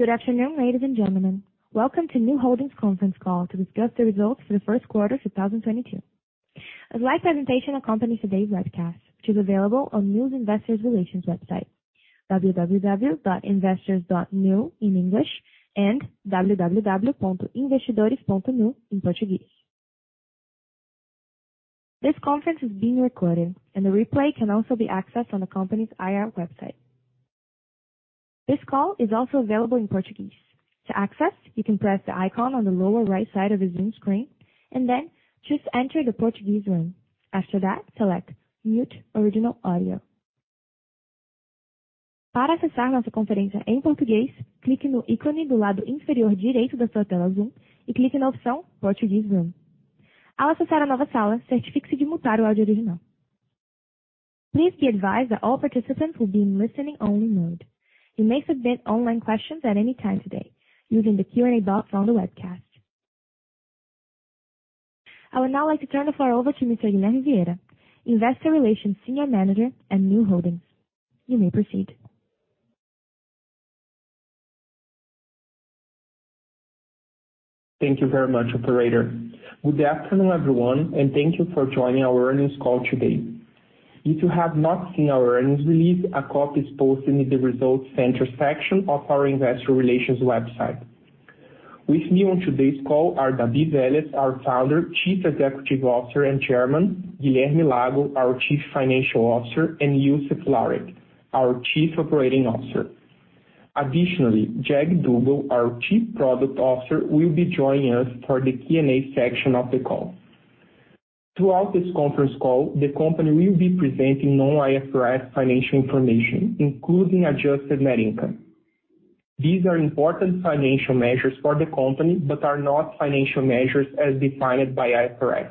Good afternoon, ladies and gentlemen. Welcome to Nu Holdings conference call to discuss the results for the first quarter 2022. A live presentation accompanies today's webcast, which is available on Nu's Investor Relations website, www.investors.nu in English and www.investidores.nu in Portuguese. This conference is being recorded and the replay can also be accessed on the company's IR website. This call is also available in Portuguese. To access, you can press the icon on the lower right side of your Zoom screen and then choose Enter the Portuguese Room. After that, select Mute Original Audio. Please be advised that all participants will be in listen-only mode. You may submit online questions at any time today using the Q&A box on the webcast. I would now like to turn the floor over to Mr. Guilherme Vieira, Investor Relations Senior Manager at Nu Holdings. You may proceed. Thank you very much, operator. Good afternoon, everyone, and thank you for joining our earnings call today. If you have not seen our earnings release, a copy is posted in the Results Center section of our Investor Relations website. With me on today's call are David Vélez, our Founder, Chief Executive Officer, and Chairman, Guilherme Lago, our Chief Financial Officer, and Youssef Lahrech, our Chief Operating Officer. Additionally, Jag Duggal, our Chief Product Officer, will be joining us for the Q&A section of the call. Throughout this conference call, the company will be presenting non-IFRS financial information, including adjusted net income. These are important financial measures for the company but are not financial measures as defined by IFRS.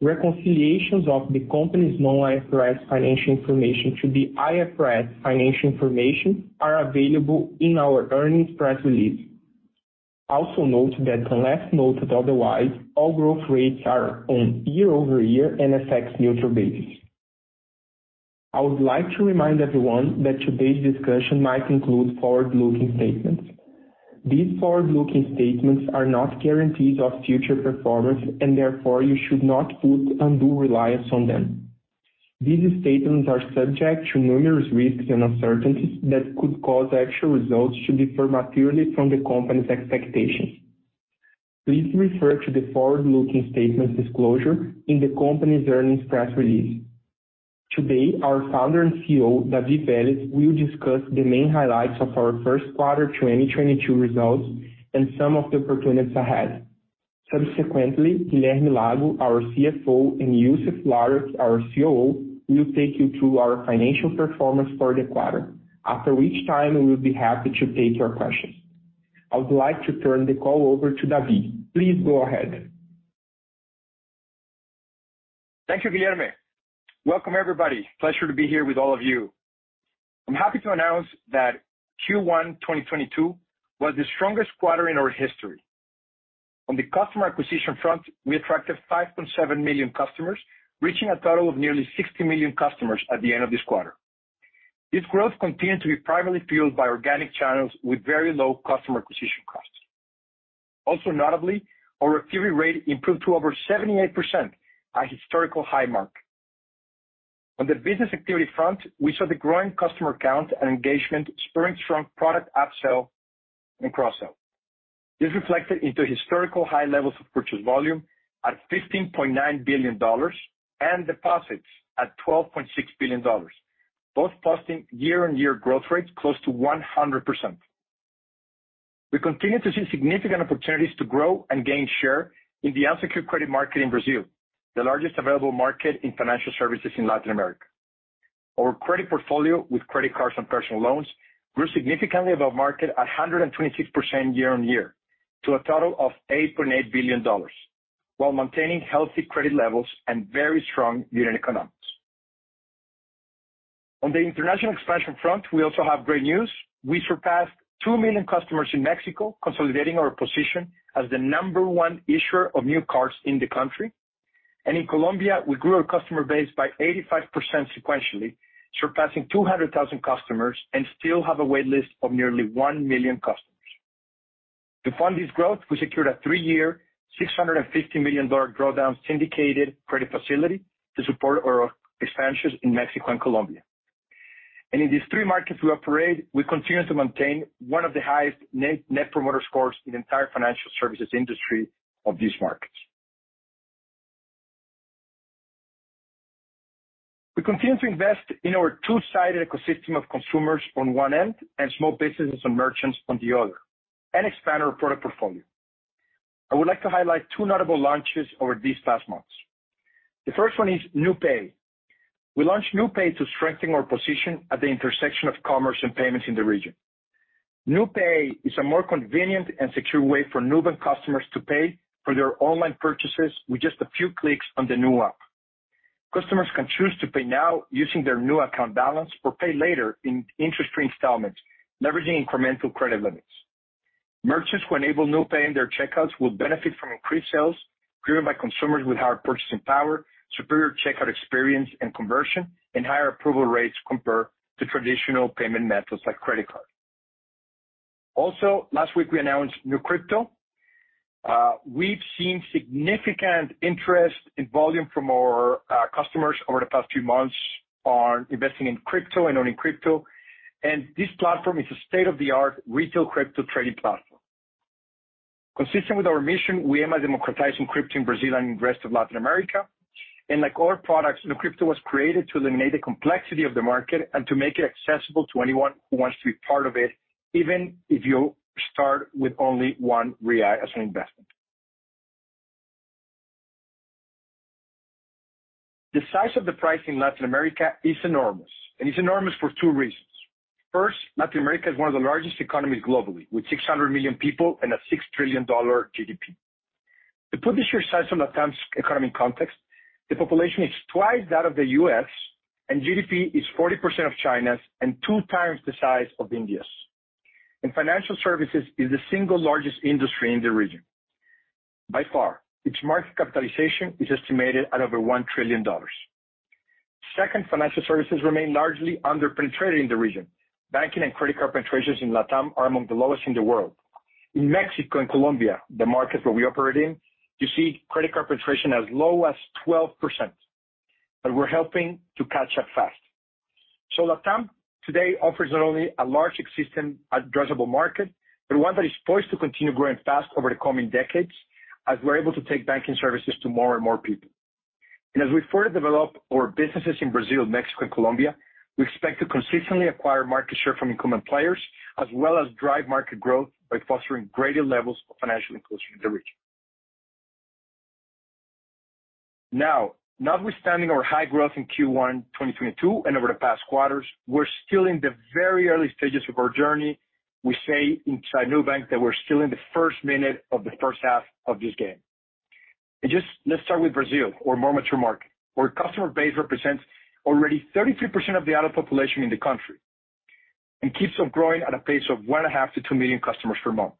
Reconciliations of the company's non-IFRS financial information to the IFRS financial information are available in our earnings press release. Also note that unless noted otherwise, all growth rates are on year-over-year and FX neutral basis. I would like to remind everyone that today's discussion might include forward-looking statements. These forward-looking statements are not guarantees of future performance, and therefore you should not put undue reliance on them. These statements are subject to numerous risks and uncertainties that could cause actual results to differ materially from the company's expectations. Please refer to the forward-looking statements disclosure in the company's earnings press release. Today, our founder and CEO, David Vélez, will discuss the main highlights of our first quarter 2022 results and some of the opportunities ahead. Subsequently, Guilherme Lago, our CFO, and Youssef Lahrech, our COO, will take you through our financial performance for the quarter. After which time, we'll be happy to take your questions. I would like to turn the call over to David. Please go ahead. Thank you, Guilherme. Welcome, everybody. Pleasure to be here with all of you. I'm happy to announce that Q1 2022 was the strongest quarter in our history. On the customer acquisition front, we attracted 5.7 million customers, reaching a total of nearly 60 million customers at the end of this quarter. This growth continued to be primarily fueled by organic channels with very low customer acquisition costs. Also notably, our activity rate improved to over 78%, a historical high mark. On the business activity front, we saw the growing customer count and engagement spurring strong product upsell and cross-sell. This reflected into historical high levels of purchase volume at $15.9 billion and deposits at $12.6 billion, both posting year-on-year growth rates close to 100%. We continue to see significant opportunities to grow and gain share in the unsecured credit market in Brazil, the largest available market in financial services in Latin America. Our credit portfolio with credit cards and personal loans grew significantly above market at 126% year-over-year to a total of $8.8 billion, while maintaining healthy credit levels and very strong unit economics. On the international expansion front, we also have great news. We surpassed 2 million customers in Mexico, consolidating our position as the number one issuer of Nu cards in the country. In Colombia, we grew our customer base by 85% sequentially, surpassing 200,000 customers and still have a wait list of nearly 1 million customers. To fund this growth, we secured a three-year, $650 million drawdown syndicated credit facility to support our expansions in Mexico and Colombia. In these three markets we operate, we continue to maintain one of the highest Net Promoter Scores in the entire financial services industry of these markets. We continue to invest in our two-sided ecosystem of consumers on one end and small businesses and merchants on the other, and expand our product portfolio. I would like to highlight two notable launches over these past months. The first one is NuPay. We launched NuPay to strengthen our position at the intersection of commerce and payments in the region. NuPay is a more convenient and secure way for Nubank customers to pay for their online purchases with just a few clicks on the Nu app. Customers can choose to pay now using their Nu account balance or pay later in interest-free installments, leveraging incremental credit limits. Merchants who enable NuPay in their checkouts will benefit from increased sales driven by consumers with higher purchasing power, superior checkout experience and conversion, and higher approval rates compared to traditional payment methods like credit card. Also, last week we announced Nubank Cripto. We've seen significant interest in volume from our customers over the past few months on investing in crypto and owning crypto, and this platform is a state-of-the-art retail crypto trading platform. Consistent with our mission, we aim at democratizing crypto in Brazil and the rest of Latin America. Like all our products, Nubank Cripto was created to eliminate the complexity of the market and to make it accessible to anyone who wants to be part of it, even if you start with only 1 as an investment. The size of the prize in Latin America is enormous, and it's enormous for two reasons. First, Latin America is one of the largest economies globally, with 600 million people and a $6 trillion GDP. To put this sheer size of LatAm's economy in context, the population is twice that of the U.S. and GDP is 40% of China's and 2x the size of India's. Financial services is the single largest industry in the region. By far, its market capitalization is estimated at over $1 trillion. Second, financial services remain largely under-penetrated in the region. Banking and credit card penetrations in LatAm are among the lowest in the world. In Mexico and Colombia, the markets where we operate in, you see credit card penetration as low as 12%, but we're helping to catch up fast. LatAm today offers not only a large existing addressable market, but one that is poised to continue growing fast over the coming decades as we're able to take banking services to more and more people. As we further develop our businesses in Brazil, Mexico and Colombia, we expect to consistently acquire market share from incumbent players, as well as drive market growth by fostering greater levels of financial inclusion in the region. Now, notwithstanding our high growth in Q1 of 2022 and over the past quarters, we're still in the very early stages of our journey. We say inside Nubank that we're still in the first minute of the first half of this game. Just let's start with Brazil, our more mature market, where customer base represents already 33% of the adult population in the country, and keeps on growing at a pace of 1.5-2 million customers per month.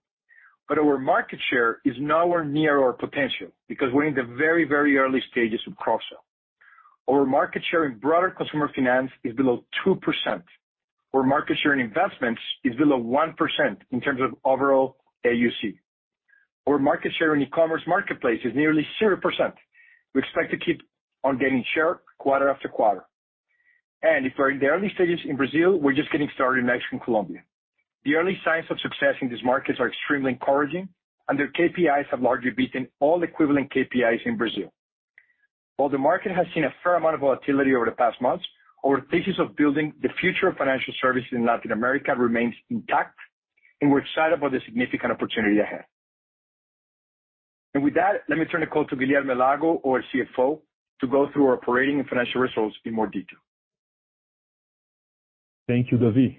Our market share is nowhere near our potential because we're in the very, very early stages of cross-sell. Our market share in broader consumer finance is below 2%. Our market share in investments is below 1% in terms of overall AUC. Our market share in e-commerce marketplace is nearly 0%. We expect to keep on gaining share quarter after quarter. If we're in the early stages in Brazil, we're just getting started in Mexico and Colombia. The early signs of success in these markets are extremely encouraging, and their KPIs have largely beaten all equivalent KPIs in Brazil. While the market has seen a fair amount of volatility over the past months, our thesis of building the future of financial services in Latin America remains intact, and we're excited about the significant opportunity ahead. With that, let me turn the call to Guilherme Lago, our CFO, to go through our operating and financial results in more detail. Thank you, David.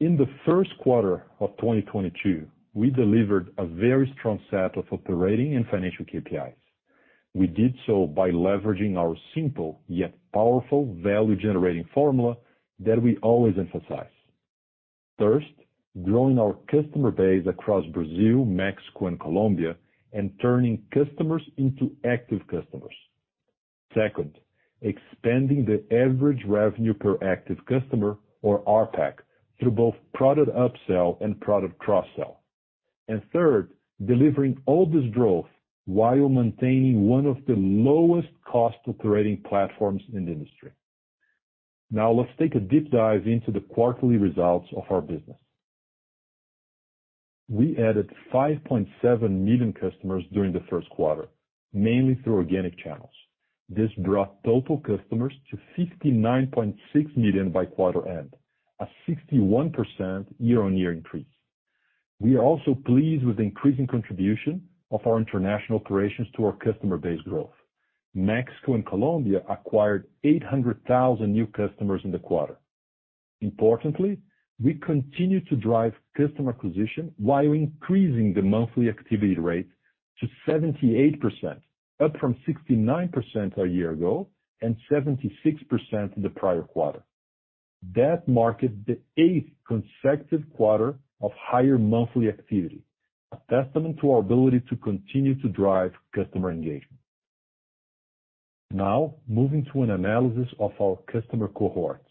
In the first quarter of 2022, we delivered a very strong set of operating and financial KPIs. We did so by leveraging our simple yet powerful value-generating formula that we always emphasize. First, growing our customer base across Brazil, Mexico and Colombia, and turning customers into active customers. Second, expanding the average revenue per active customer or RPAC through both product upsell and product cross-sell. Third, delivering all this growth while maintaining one of the lowest cost operating platforms in the industry. Now let's take a deep dive into the quarterly results of our business. We added 5.7 million customers during the first quarter, mainly through organic channels. This brought total customers to 59.6 million by quarter end, a 61% year-on-year increase. We are also pleased with the increasing contribution of our international operations to our customer base growth. Mexico and Colombia acquired 800,000 new customers in the quarter. Importantly, we continue to drive customer acquisition while increasing the monthly activity rate to 78%, up from 69% a year ago and 76% in the prior quarter. That marked the eighth consecutive quarter of higher monthly activity, a testament to our ability to continue to drive customer engagement. Now, moving to an analysis of our customer cohorts.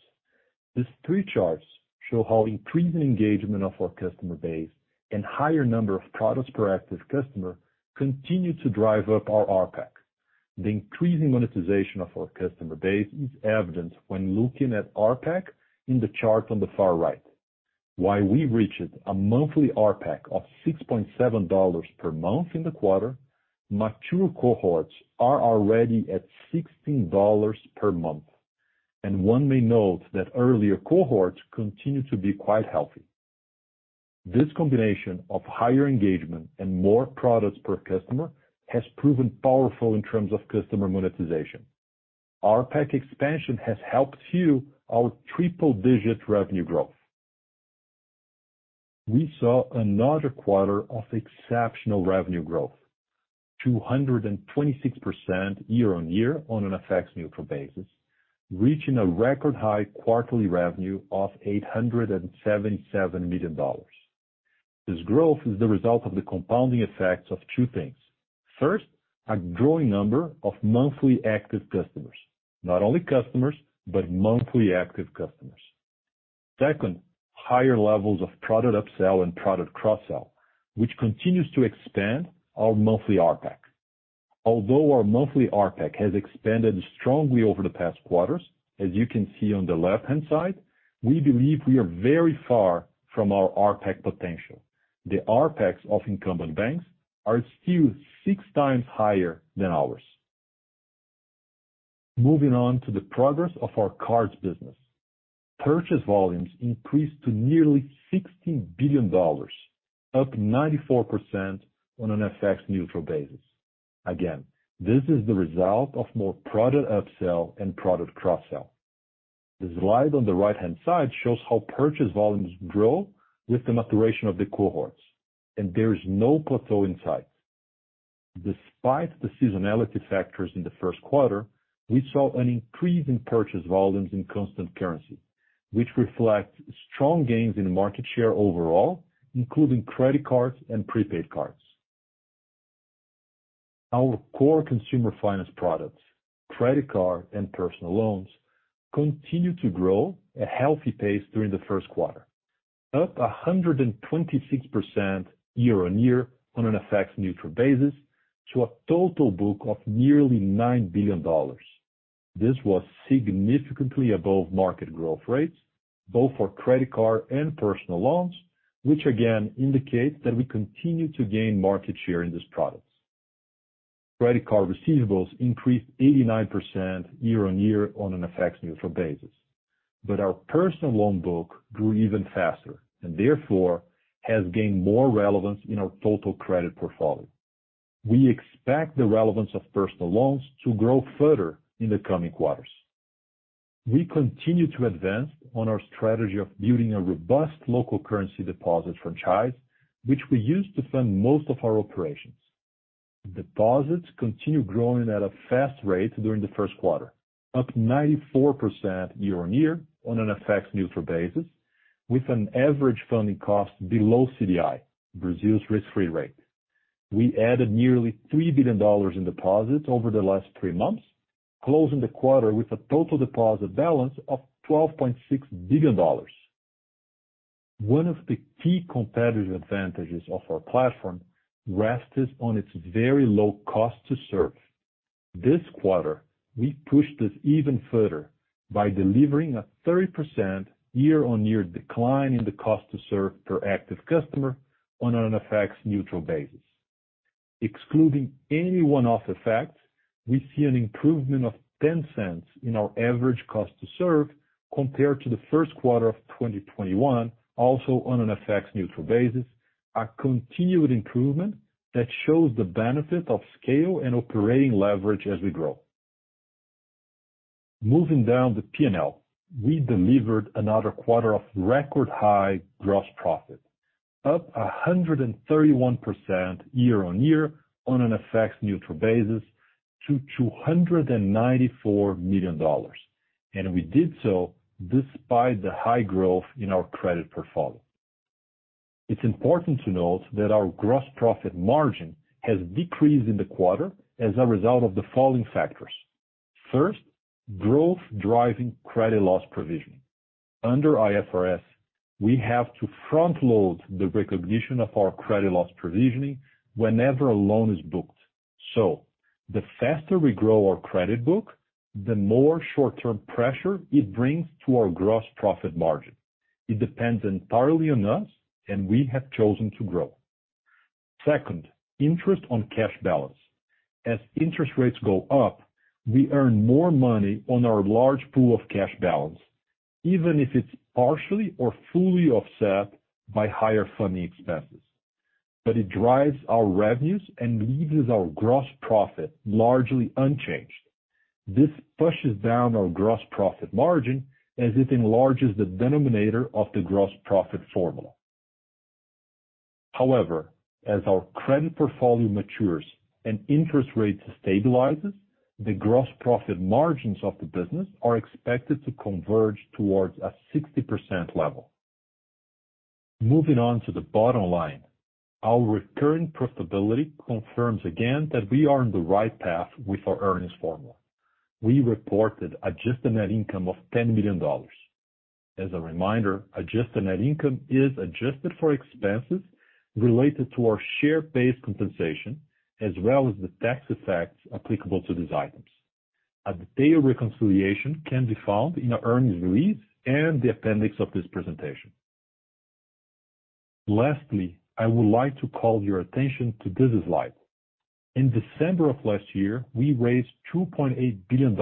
These three charts show how increasing engagement of our customer base and higher number of products per active customer continue to drive up our RPAC. The increasing monetization of our customer base is evident when looking at RPAC in the chart on the far right. While we reached a monthly RPAC of $6.7 per month in the quarter, mature cohorts are already at $16 per month, and one may note that earlier cohorts continue to be quite healthy. This combination of higher engagement and more products per customer has proven powerful in terms of customer monetization. RPAC expansion has helped fuel our triple-digit revenue growth. We saw another quarter of exceptional revenue growth. 226% year-on-year on an FX-neutral basis, reaching a record high quarterly revenue of $877 million. This growth is the result of the compounding effects of two things. First, a growing number of monthly active customers, not only customers, but monthly active customers. Second, higher levels of product upsell and product cross-sell, which continues to expand our monthly RPAC. Although our monthly RPAC has expanded strongly over the past quarters, as you can see on the left-hand side, we believe we are very far from our RPAC potential. The RPACs of incumbent banks are still six times higher than ours. Moving on to the progress of our cards business. Purchase volumes increased to nearly $60 billion, up 94% on an FX neutral basis. Again, this is the result of more product upsell and product cross-sell. The slide on the right-hand side shows how purchase volumes grow with the maturation of the cohorts, and there is no plateau in sight. Despite the seasonality factors in the first quarter, we saw an increase in purchase volumes in constant currency, which reflect strong gains in market share overall, including credit cards and prepaid cards. Our core consumer finance products, credit card and personal loans, continued to grow a healthy pace during the first quarter, up 126% year-over-year on an FX neutral basis to a total book of nearly $9 billion. This was significantly above market growth rates, both for credit card and personal loans, which again indicate that we continue to gain market share in these products. Credit card receivables increased 89% year-over-year on an FX neutral basis, but our personal loan book grew even faster, and therefore has gained more relevance in our total credit portfolio. We expect the relevance of personal loans to grow further in the coming quarters. We continue to advance on our strategy of building a robust local currency deposit franchise, which we use to fund most of our operations. Deposits continue growing at a fast rate during the first quarter, up 94% year-on-year on an FX neutral basis with an average funding cost below CDI, Brazil's risk-free rate. We added nearly $3 billion in deposits over the last three months, closing the quarter with a total deposit balance of $12.6 billion. One of the key competitive advantages of our platform rests on its very low cost to serve. This quarter, we pushed this even further by delivering a 30% year-on-year decline in the cost to serve per active customer on an FX neutral basis. Excluding any one-off effects, we see an improvement of $0.10 in our average cost to serve compared to the first quarter of 2021, also on an FX neutral basis, a continued improvement that shows the benefit of scale and operating leverage as we grow. Moving down the P&L, we delivered another quarter of record high gross profit, up 131% year-over-year on an FX-neutral basis to $294 million. We did so despite the high growth in our credit portfolio. It's important to note that our gross profit margin has decreased in the quarter as a result of the following factors. First, growth driving credit loss provision. Under IFRS, we have to front-load the recognition of our credit loss provisioning whenever a loan is booked. The faster we grow our credit book, the more short-term pressure it brings to our gross profit margin. It depends entirely on us, and we have chosen to grow. Second, interest on cash balance. As interest rates go up, we earn more money on our large pool of cash balance, even if it's partially or fully offset by higher funding expenses. It drives our revenues and leaves our gross profit largely unchanged. This pushes down our gross profit margin as it enlarges the denominator of the gross profit formula. However, as our credit portfolio matures and interest rates stabilizes, the gross profit margins of the business are expected to converge towards a 60% level. Moving on to the bottom line, our recurring profitability confirms again that we are on the right path with our earnings formula. We reported Adjusted Net Income of $10 million. As a reminder, Adjusted Net Income is adjusted for expenses related to our share-based compensation, as well as the tax effects applicable to these items. A detailed reconciliation can be found in our earnings release and the appendix of this presentation. Lastly, I would like to call your attention to this slide. In December of last year, we raised $2.8 billion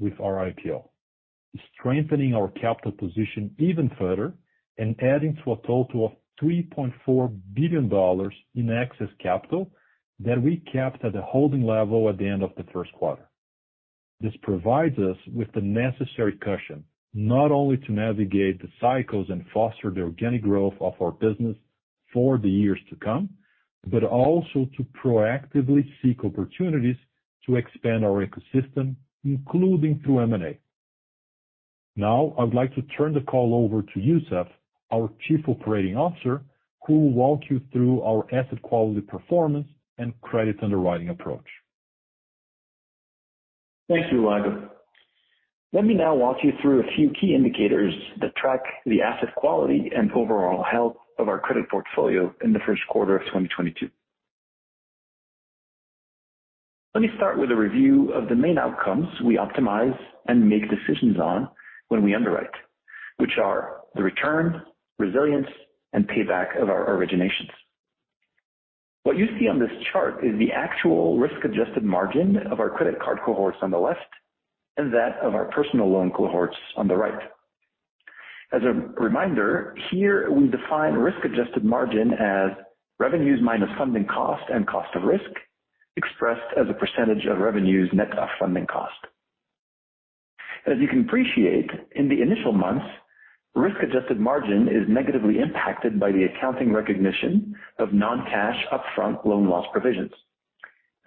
with our IPO, strengthening our capital position even further and adding to a total of $3.4 billion in excess capital that we kept at a holding level at the end of the first quarter. This provides us with the necessary cushion, not only to navigate the cycles and foster the organic growth of our business for the years to come, but also to proactively seek opportunities to expand our ecosystem, including through M&A. Now, I would like to turn the call over to Youssef, our Chief Operating Officer, who will walk you through our asset quality performance and credit underwriting approach. Thank you, Lago. Let me now walk you through a few key indicators that track the asset quality and overall health of our credit portfolio in the first quarter of 2022. Let me start with a review of the main outcomes we optimize and make decisions on when we underwrite, which are the return, resilience and payback of our originations. What you see on this chart is the actual risk adjusted margin of our credit card cohorts on the left, and that of our personal loan cohorts on the right. As a reminder, here we define risk adjusted margin as revenues minus funding cost and cost of risk expressed as a percentage of revenues net of funding cost. As you can appreciate, in the initial months, risk adjusted margin is negatively impacted by the accounting recognition of non-cash upfront loan loss provisions.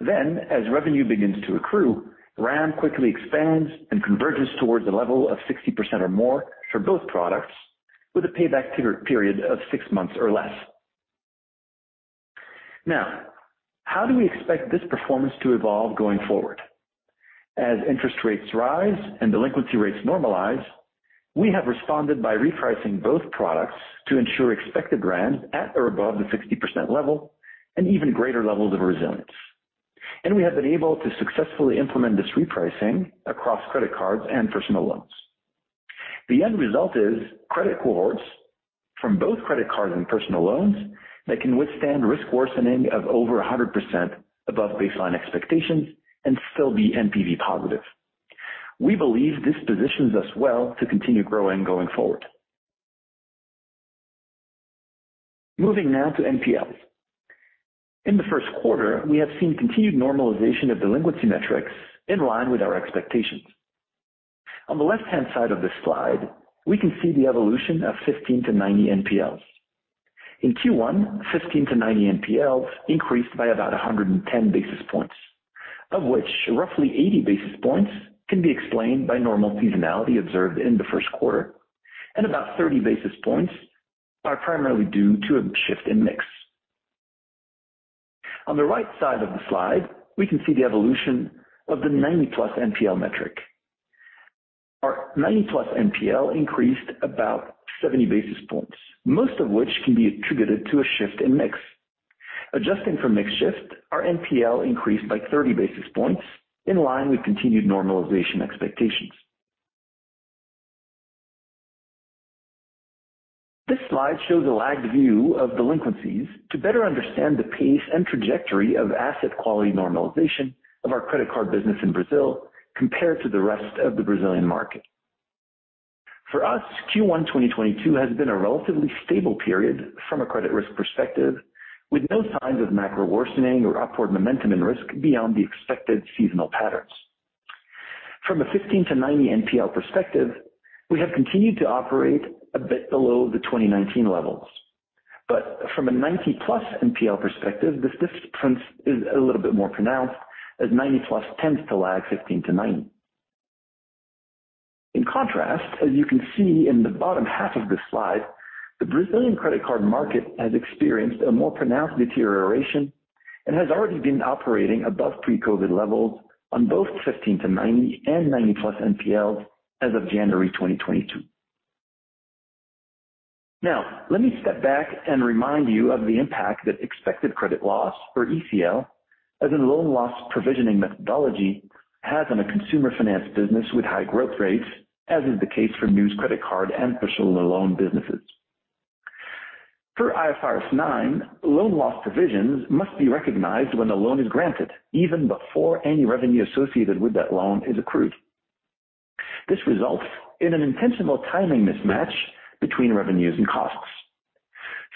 As revenue begins to accrue, RAM quickly expands and converges towards a level of 60% or more for both products with a payback period of six months or less. Now, how do we expect this performance to evolve going forward? As interest rates rise and delinquency rates normalize, we have responded by repricing both products to ensure expected RAM at or above the 60% level and even greater levels of resilience. We have been able to successfully implement this repricing across credit cards and personal loans. The end result is credit cohorts from both credit cards and personal loans that can withstand risk worsening of over 100% above baseline expectations and still be NPV positive. We believe this positions us well to continue growing going forward. Moving now to NPL. In the first quarter, we have seen continued normalization of delinquency metrics in line with our expectations. On the left-hand side of this slide, we can see the evolution of 15 NPLs-90 NPLs. In Q1, 15 NPLs-90 NPLs increased by about 110 basis points, of which roughly 80 basis points can be explained by normal seasonality observed in the first quarter, and about 30 basis points are primarily due to a shift in mix. On the right side of the slide, we can see the evolution of the 90-plus NPL metric. Our 90-plus NPL increased about 70 basis points, most of which can be attributed to a shift in mix. Adjusting for mix shift, our NPL increased by 30 basis points in line with continued normalization expectations. This slide shows a lagged view of delinquencies to better understand the pace and trajectory of asset quality normalization of our credit card business in Brazil compared to the rest of the Brazilian market. For us, Q1 2022 has been a relatively stable period from a credit risk perspective, with no signs of macro worsening or upward momentum and risk beyond the expected seasonal patterns. From a 15 NPL-90 NPL perspective, we have continued to operate a bit below the 2019 levels. From a 90+ NPL perspective, this difference is a little bit more pronounced as 90+ tends to lag 15 NPL-90 NPL. In contrast, as you can see in the bottom half of this slide, the Brazilian credit card market has experienced a more pronounced deterioration and has already been operating above pre-COVID levels on both 15-90 and 90+ NPLs as of January 2022. Now, let me step back and remind you of the impact that expected credit loss, or ECL, as a loan loss provisioning methodology, has on a consumer finance business with high growth rates, as is the case for Nu's credit card and personal loan businesses. Per IFRS 9, loan loss provisions must be recognized when the loan is granted, even before any revenue associated with that loan is accrued. This results in an intentional timing mismatch between revenues and costs.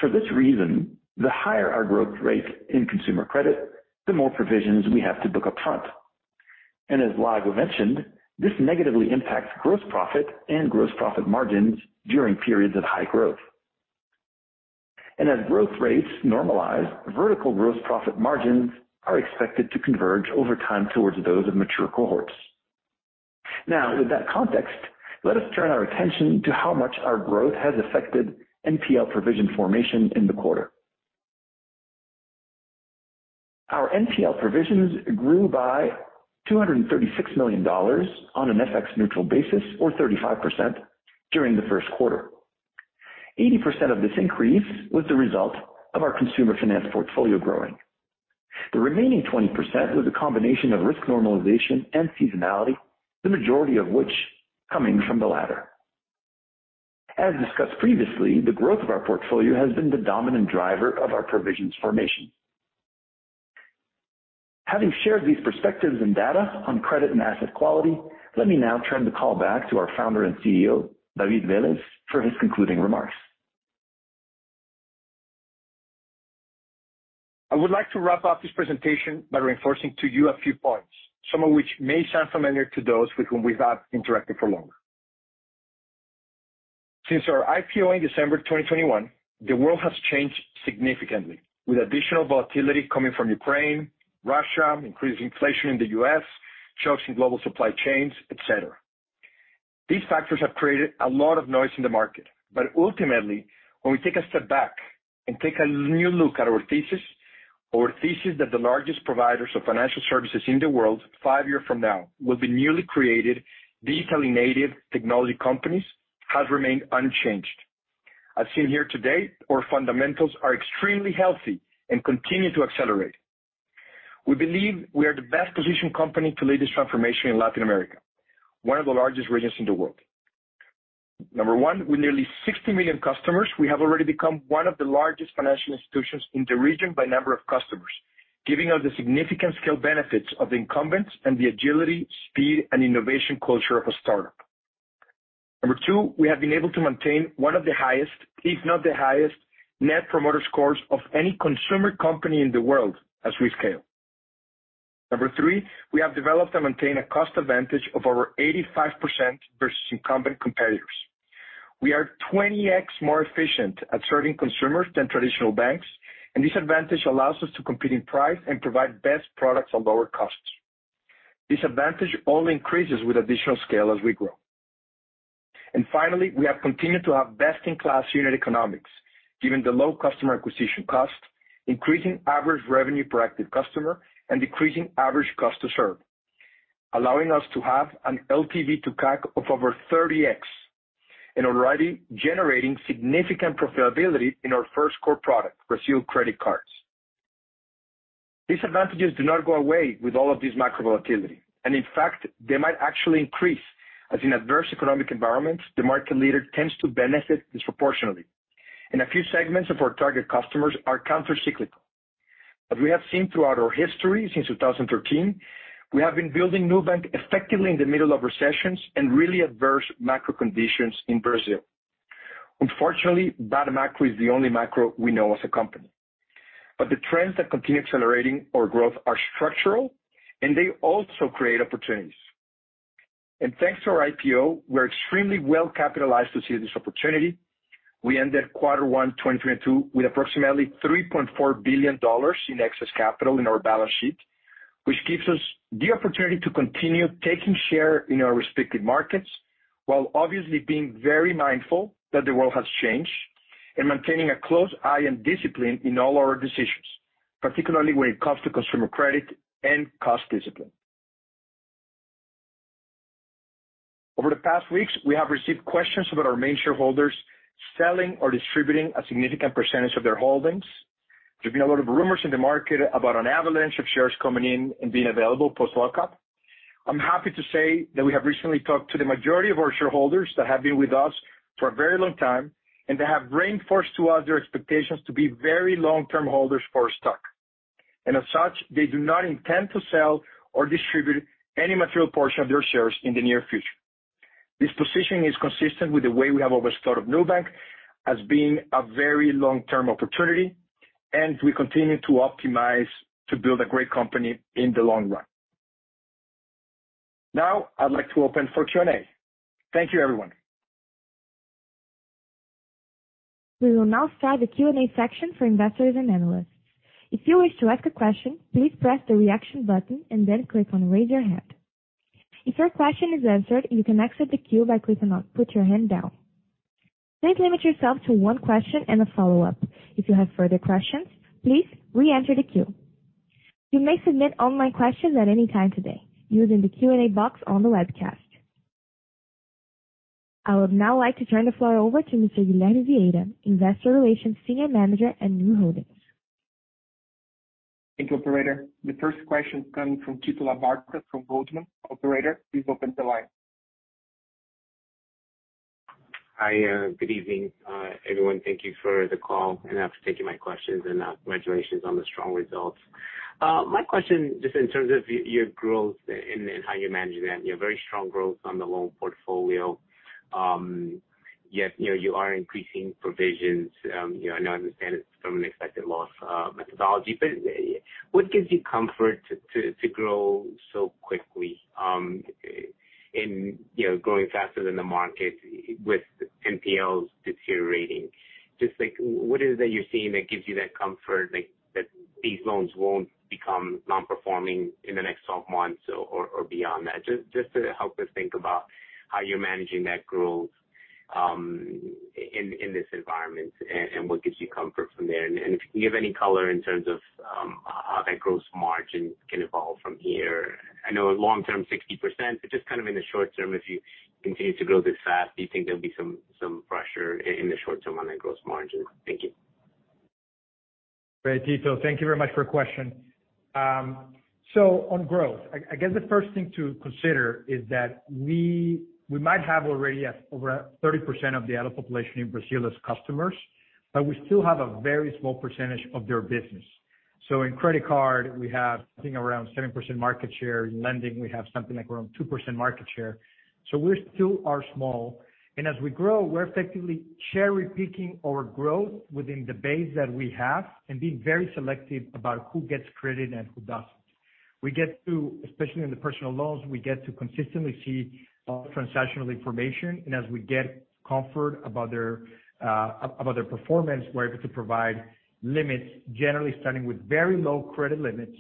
For this reason, the higher our growth rate in consumer credit, the more provisions we have to book up front. As Lago mentioned, this negatively impacts gross profit and gross profit margins during periods of high growth. As growth rates normalize, vertical gross profit margins are expected to converge over time towards those of mature cohorts. Now, with that context, let us turn our attention to how much our growth has affected NPL provision formation in the quarter. Our NPL provisions grew by $236 million on an FX-neutral basis or 35% during the first quarter. 80% of this increase was the result of our consumer finance portfolio growing. The remaining 20% was a combination of risk normalization and seasonality, the majority of which coming from the latter. As discussed previously, the growth of our portfolio has been the dominant driver of our provisions formation. Having shared these perspectives and data on credit and asset quality, let me now turn the call back to our founder and CEO, David Vélez, for his concluding remarks. I would like to wrap up this presentation by reinforcing to you a few points, some of which may sound familiar to those with whom we have interacted for long. Since our IPO in December 2021, the world has changed significantly, with additional volatility coming from Ukraine, Russia, increased inflation in the U.S, shocks in global supply chains, et cetera. These factors have created a lot of noise in the market. Ultimately, when we take a step back and take a new look at our thesis that the largest providers of financial services in the world 5-year from now will be newly created, digitally native technology companies has remained unchanged. As seen here today, our fundamentals are extremely healthy and continue to accelerate. We believe we are the best positioned company to lead this transformation in Latin America, one of the largest regions in the world. Number one, with nearly 60 million customers, we have already become one of the largest financial institutions in the region by number of customers, giving us the significant scale benefits of incumbents and the agility, speed, and innovation culture of a startup. Number two, we have been able to maintain one of the highest, if not the highest net promoter scores of any consumer company in the world as we scale. Number three, we have developed and maintained a cost advantage of over 85% versus incumbent competitors. We are 20x more efficient at serving consumers than traditional banks, and this advantage allows us to compete in price and provide best products at lower costs. This advantage only increases with additional scale as we grow. Finally, we have continued to have best-in-class unit economics given the low customer acquisition cost, increasing average revenue per active customer, and decreasing average cost to serve, allowing us to have an LTV to CAC of over 30x, and already generating significant profitability in our first core product, Brazil credit cards. These advantages do not go away with all of this macro volatility, and in fact, they might actually increase as in adverse economic environments, the market leader tends to benefit disproportionately. A few segments of our target customers are countercyclical. As we have seen throughout our history since 2013, we have been building Nubank effectively in the middle of recessions and really adverse macro conditions in Brazil. Unfortunately, bad macro is the only macro we know as a company. The trends that continue accelerating our growth are structural, and they also create opportunities. Thanks to our IPO, we're extremely well capitalized to seize this opportunity. We ended Q1 2022 with approximately $3.4 billion in excess capital in our balance sheet, which gives us the opportunity to continue taking share in our respective markets, while obviously being very mindful that the world has changed and maintaining a close eye on discipline in all our decisions, particularly when it comes to consumer credit and cost discipline. Over the past weeks, we have received questions about our main shareholders selling or distributing a significant percentage of their holdings. There have been a lot of rumors in the market about an avalanche of shares coming in and being available post-lockup. I'm happy to say that we have recently talked to the majority of our shareholders that have been with us for a very long time, and they have reinforced to us their expectations to be very long-term holders for our stock. As such, they do not intend to sell or distribute any material portion of their shares in the near future. This positioning is consistent with the way we have always thought of Nubank as being a very long-term opportunity, and we continue to optimize to build a great company in the long run. Now, I'd like to open for Q&A. Thank you, everyone. We will now start the Q&A section for investors and analysts. If you wish to ask a question, please press the Reaction button and then click on Raise Your Hand. If your question is answered, you can exit the queue by clicking on Put Your Hand Down. Please limit yourself to one question and a follow-up. If you have further questions, please re-enter the queue. You may submit online questions at any time today using the Q&A box on the webcast. I would now like to turn the floor over to Mr. Guilherme Vieira, Investor Relations Senior Manager at Nu Holdings. Thank you, operator. The first question is coming from Tito Labarta from Goldman. Operator, please open the line. Hi, good evening, everyone. Thank you for the call. After taking my questions and, congratulations on the strong results. My question just in terms of your growth and how you're managing that, you know, very strong growth on the loan portfolio. Yet, you know, you are increasing provisions, you know, I know, I understand it's from an expected loss methodology. But what gives you comfort to grow so quickly, you know, growing faster than the market with NPLs deteriorating? Just like what is it that you're seeing that gives you that comfort like that these loans won't become non-performing in the next 12 months or beyond that? Just to help us think about how you're managing that growth, in this environment and what gives you comfort from there. If you can give any color in terms of how that gross margin can evolve from here. I know long term, 60%, but just kind of in the short term, if you continue to grow this fast, do you think there'll be some pressure in the short term on that gross margin? Thank you. Great, Tito. Thank you very much for your question. On growth, I guess the first thing to consider is that we might have already at over 30% of the adult population in Brazil as customers, but we still have a very small percentage of their business. In credit card, we have something around 7% market share. In lending, we have something like around 2% market share. We still are small. As we grow, we're effectively cherry-picking our growth within the base that we have and being very selective about who gets credit and who doesn't. We get to, especially in the personal loans, we get to consistently see transactional information. As we get comfort about their about their performance, we're able to provide limits, generally starting with very low credit limits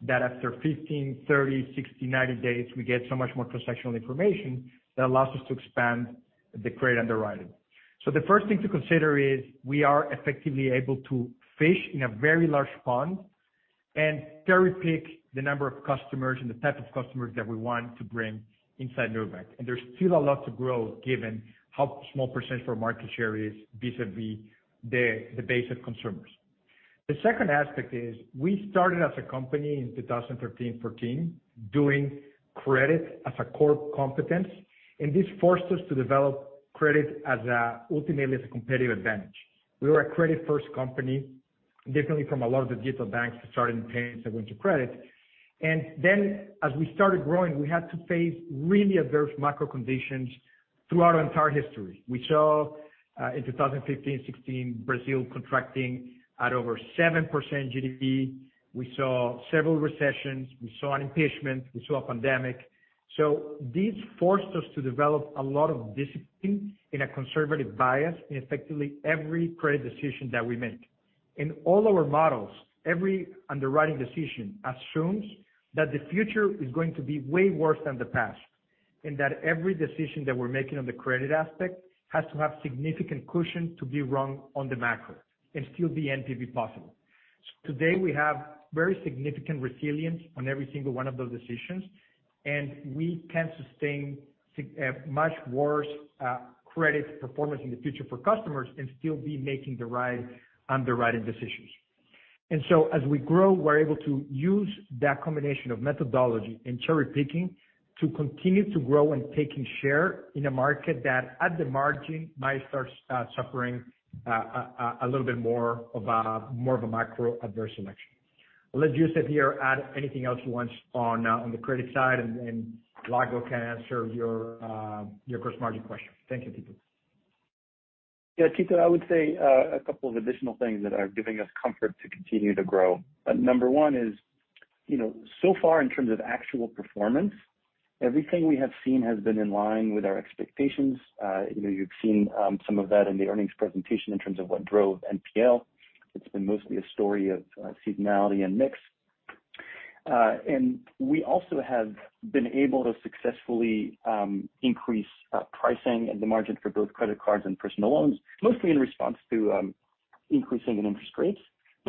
that after 15, 30, 60, 90 days, we get so much more transactional information that allows us to expand the credit underwriting. The first thing to consider is we are effectively able to fish in a very large pond and cherry-pick the number of customers and the type of customers that we want to bring inside Nubank. There's still a lot to grow given how small percentage of market share is vis-à-vis the base of consumers. The second aspect is we started as a company in 2013, 2014, doing credit as a core competence, and this forced us to develop credit as ultimately as a competitive advantage. We were a credit-first company, differently from a lot of the digital banks that started in payments and went to credit. Then as we started growing, we had to face really adverse macro conditions throughout our entire history. We saw in 2015, 2016, Brazil contracting at over 7% GDP. We saw several recessions, we saw an impeachment, we saw a pandemic. This forced us to develop a lot of discipline in a conservative bias in effectively every credit decision that we make. In all our models, every underwriting decision assumes that the future is going to be way worse than the past, and that every decision that we're making on the credit aspect has to have significant cushion to be wrong on the macro and still be NPV positive. Today, we have very significant resilience on every single one of those decisions, and we can sustain a much worse credit performance in the future for customers and still be making the right underwriting decisions. As we grow, we're able to use that combination of methodology and cherry-picking to continue to grow and taking share in a market that, at the margin, might start suffering a little bit more of a more of a macro adverse selection. I'll let Youssef here add anything else he wants on the credit side, and Lago can answer your gross margin question. Thank you, Tito. Yeah, Tito, I would say, a couple of additional things that are giving us comfort to continue to grow. Number one is, you know, so far in terms of actual performance, everything we have seen has been in line with our expectations. You know, you've seen, some of that in the earnings presentation in terms of what drove NPL. It's been mostly a story of, seasonality and mix. We also have been able to successfully, increase, pricing and the margin for both credit cards and personal loans, mostly in response to, increase in interest rates.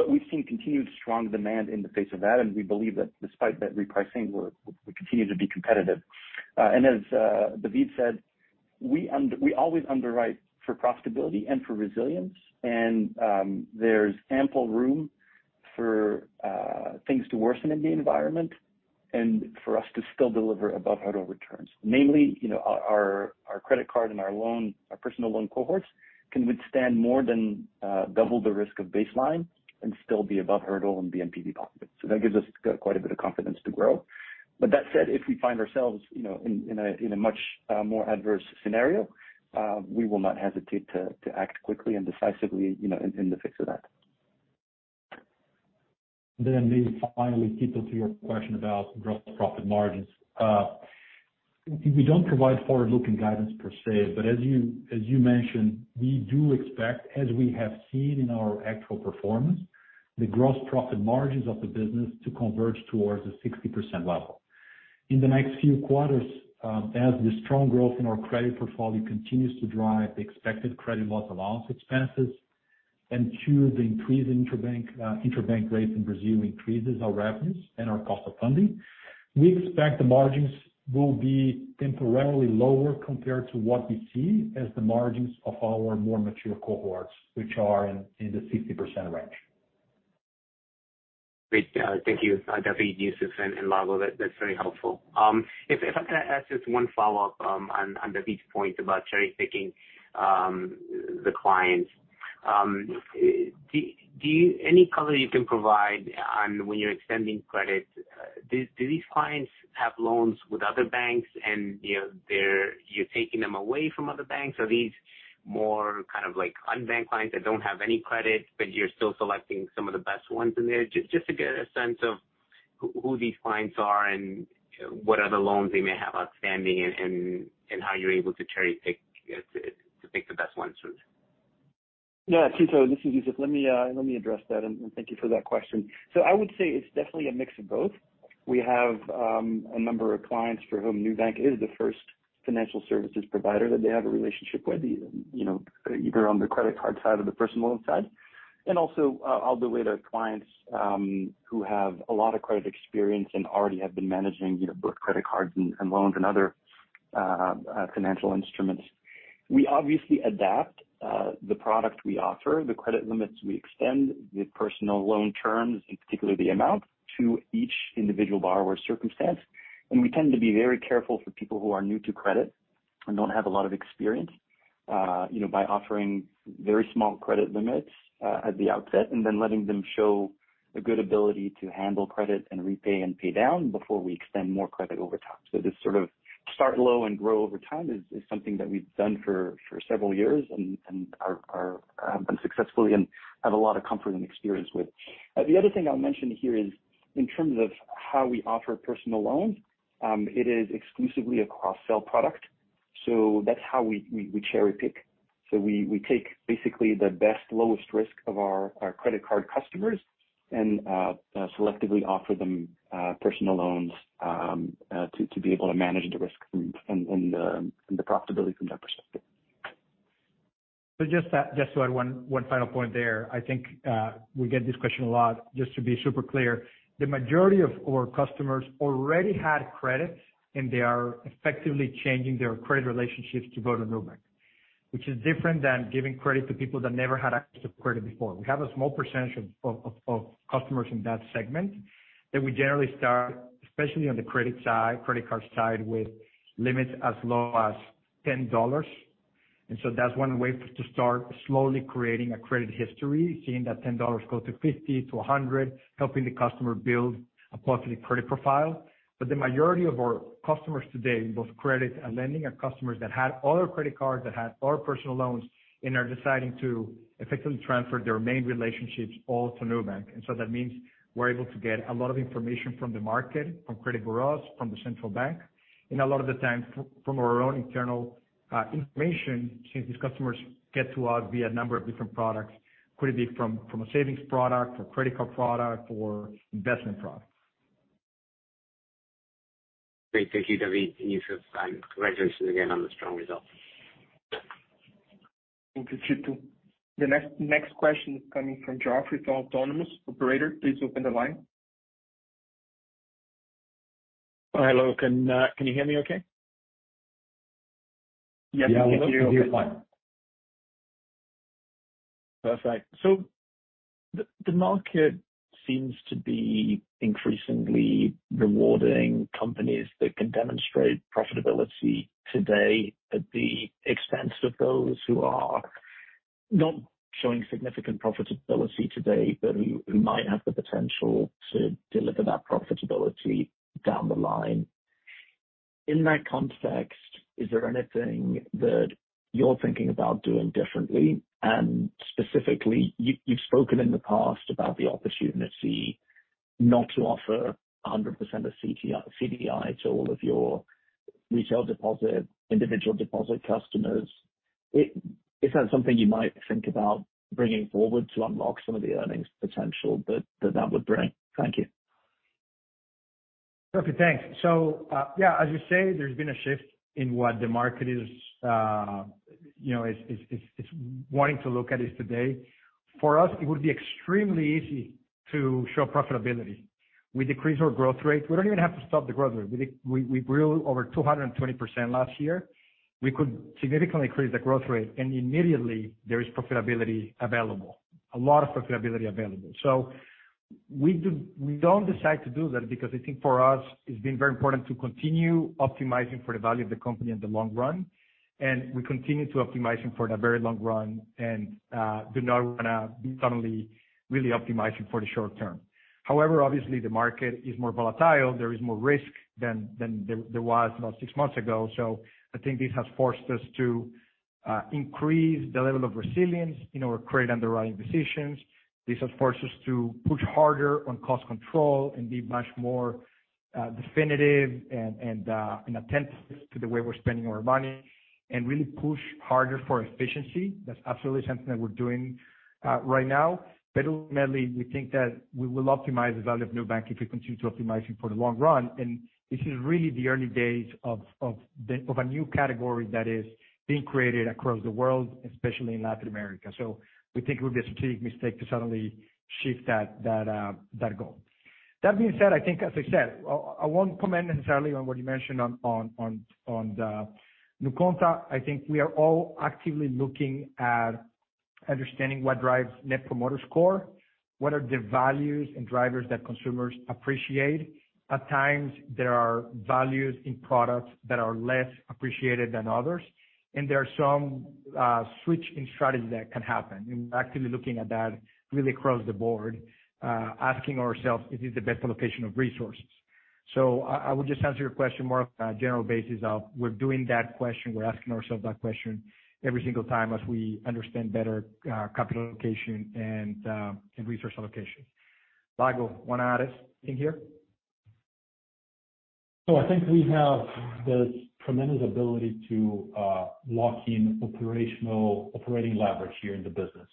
We've seen continued strong demand in the face of that, and we believe that despite that repricing, we continue to be competitive. As, David said, we always underwrite for profitability and for resilience. There's ample room for things to worsen in the environment and for us to still deliver above hurdle returns. Namely, you know, our credit card and our personal loan cohorts can withstand more than double the risk of baseline and still be above hurdle and be NPV positive. That gives us quite a bit of confidence to grow. That said, if we find ourselves, you know, in a much more adverse scenario, we will not hesitate to act quickly and decisively, you know, in the face of that. Maybe finally, Tito, to your question about gross profit margins. We don't provide forward-looking guidance per se, but as you mentioned, we do expect, as we have seen in our actual performance, the gross profit margins of the business to converge towards a 60% level. In the next few quarters, as the strong growth in our credit portfolio continues to drive the expected credit loss allowance expenses, and two, the increased interbank rates in Brazil increases our revenues and our cost of funding, we expect the margins will be temporarily lower compared to what we see as the margins of our more mature cohorts, which are in the 60% range. Great. Thank you, David, Youssef and Lago. That's very helpful. If I can ask just one follow-up on David's point about cherry-picking the clients. Do you have any color you can provide on when you're extending credit, do these clients have loans with other banks and, you know, they're, you're taking them away from other banks? Are these more kind of like unbanked clients that don't have any credit, but you're still selecting some of the best ones in there? Just to get a sense of who these clients are and what other loans they may have outstanding and how you're able to cherry-pick to pick the best ones through. Yeah. Tito Labarta, this is Youssef Lahrech. Let me address that, and thank you for that question. I would say it's definitely a mix of both. We have a number of clients for whom Nubank is the first financial services provider that they have a relationship with, you know, either on the credit card side or the personal loan side. Also, all the way to clients who have a lot of credit experience and already have been managing, you know, both credit cards and loans and other financial instruments. We obviously adapt the product we offer, the credit limits we extend, the personal loan terms, in particular the amount, to each individual borrower circumstance. We tend to be very careful for people who are new to credit and don't have a lot of experience, you know, by offering very small credit limits at the outset, and then letting them show a good ability to handle credit and repay and pay down before we extend more credit over time. Start low and grow over time is something that we've done for several years and are successfully and have a lot of comfort and experience with. The other thing I'll mention here is in terms of how we offer personal loans, it is exclusively a cross-sell product, so that's how we cherry-pick. We take basically the best lowest risk of our credit card customers and selectively offer them personal loans to be able to manage the risk and the profitability from that perspective. Just to add one final point there. I think we get this question a lot, just to be super clear. The majority of our customers already had credit, and they are effectively changing their credit relationships to go to Nubank, which is different than giving credit to people that never had access to credit before. We have a small percentage of customers in that segment that we generally start, especially on the credit side, credit cards side, with limits as low as $10. That's one way to start slowly creating a credit history, seeing that $10 go to $50 to $100, helping the customer build a positive credit profile. The majority of our customers today, both credit and lending, are customers that had other credit cards, that had other personal loans and are deciding to effectively transfer their main relationships all to Nubank. That means we're able to get a lot of information from the market, from credit bureaus, from the central bank, and a lot of the time from our own internal information, since these customers get to us via number of different products, could it be from a savings product or credit card product or investment product. Great. Thank you, David, and Youssef Lahrech. Congratulations again on the strong results. Thank you, Tito Labarta. The next question is coming from Geoffrey Elliott with Autonomous. Operator, please open the line. Hello, can you hear me okay? Yes, we can hear you. Yeah, we can hear you fine. Perfect. The market seems to be increasingly rewarding companies that can demonstrate profitability today at the expense of those who are not showing significant profitability today, but who might have the potential to deliver that profitability down the line. In that context, is there anything that you're thinking about doing differently? Specifically, you've spoken in the past about the opportunity not to offer 100% of the CDI to all of your retail deposit, individual deposit customers. It is that something you might think about bringing forward to unlock some of the earnings potential that would bring? Thank you. Okay, thanks. Yeah, as you say, there's been a shift in what the market is wanting to look at today. For us, it would be extremely easy to show profitability. We decrease our growth rate. We don't even have to stop the growth rate. We grew over 220% last year. We could significantly increase the growth rate and immediately there is profitability available, a lot of profitability available. We don't decide to do that because I think for us it's been very important to continue optimizing for the value of the company in the long run, and we continue optimizing for the very long run and do not wanna be suddenly really optimizing for the short term. However, obviously the market is more volatile. There is more risk than there was about six months ago. I think this has forced us to increase the level of resilience in our credit underwriting decisions. This has forced us to push harder on cost control and be much more definitive and attentive to the way we're spending our money and really push harder for efficiency. That's absolutely something that we're doing right now. Ultimately, we think that we will optimize the value of Nubank if we continue to optimizing for the long run. This is really the early days of a new category that is being created across the world, especially in Latin America. We think it would be a strategic mistake to suddenly shift that goal. That being said, I think as I said, I won't comment necessarily on what you mentioned on the NuConta. I think we are all actively looking at understanding what drives Net Promoter Score, what are the values and drivers that consumers appreciate. At times, there are values in products that are less appreciated than others, and there are some switch in strategy that can happen. We're actively looking at that really across the board, asking ourselves, is this the best allocation of resources? I would just answer your question more on a general basis of we're doing that question, we're asking ourselves that question every single time as we understand better capital allocation and resource allocation. Lago, wanna add anything here? I think we have this tremendous ability to lock in operating leverage here in the business.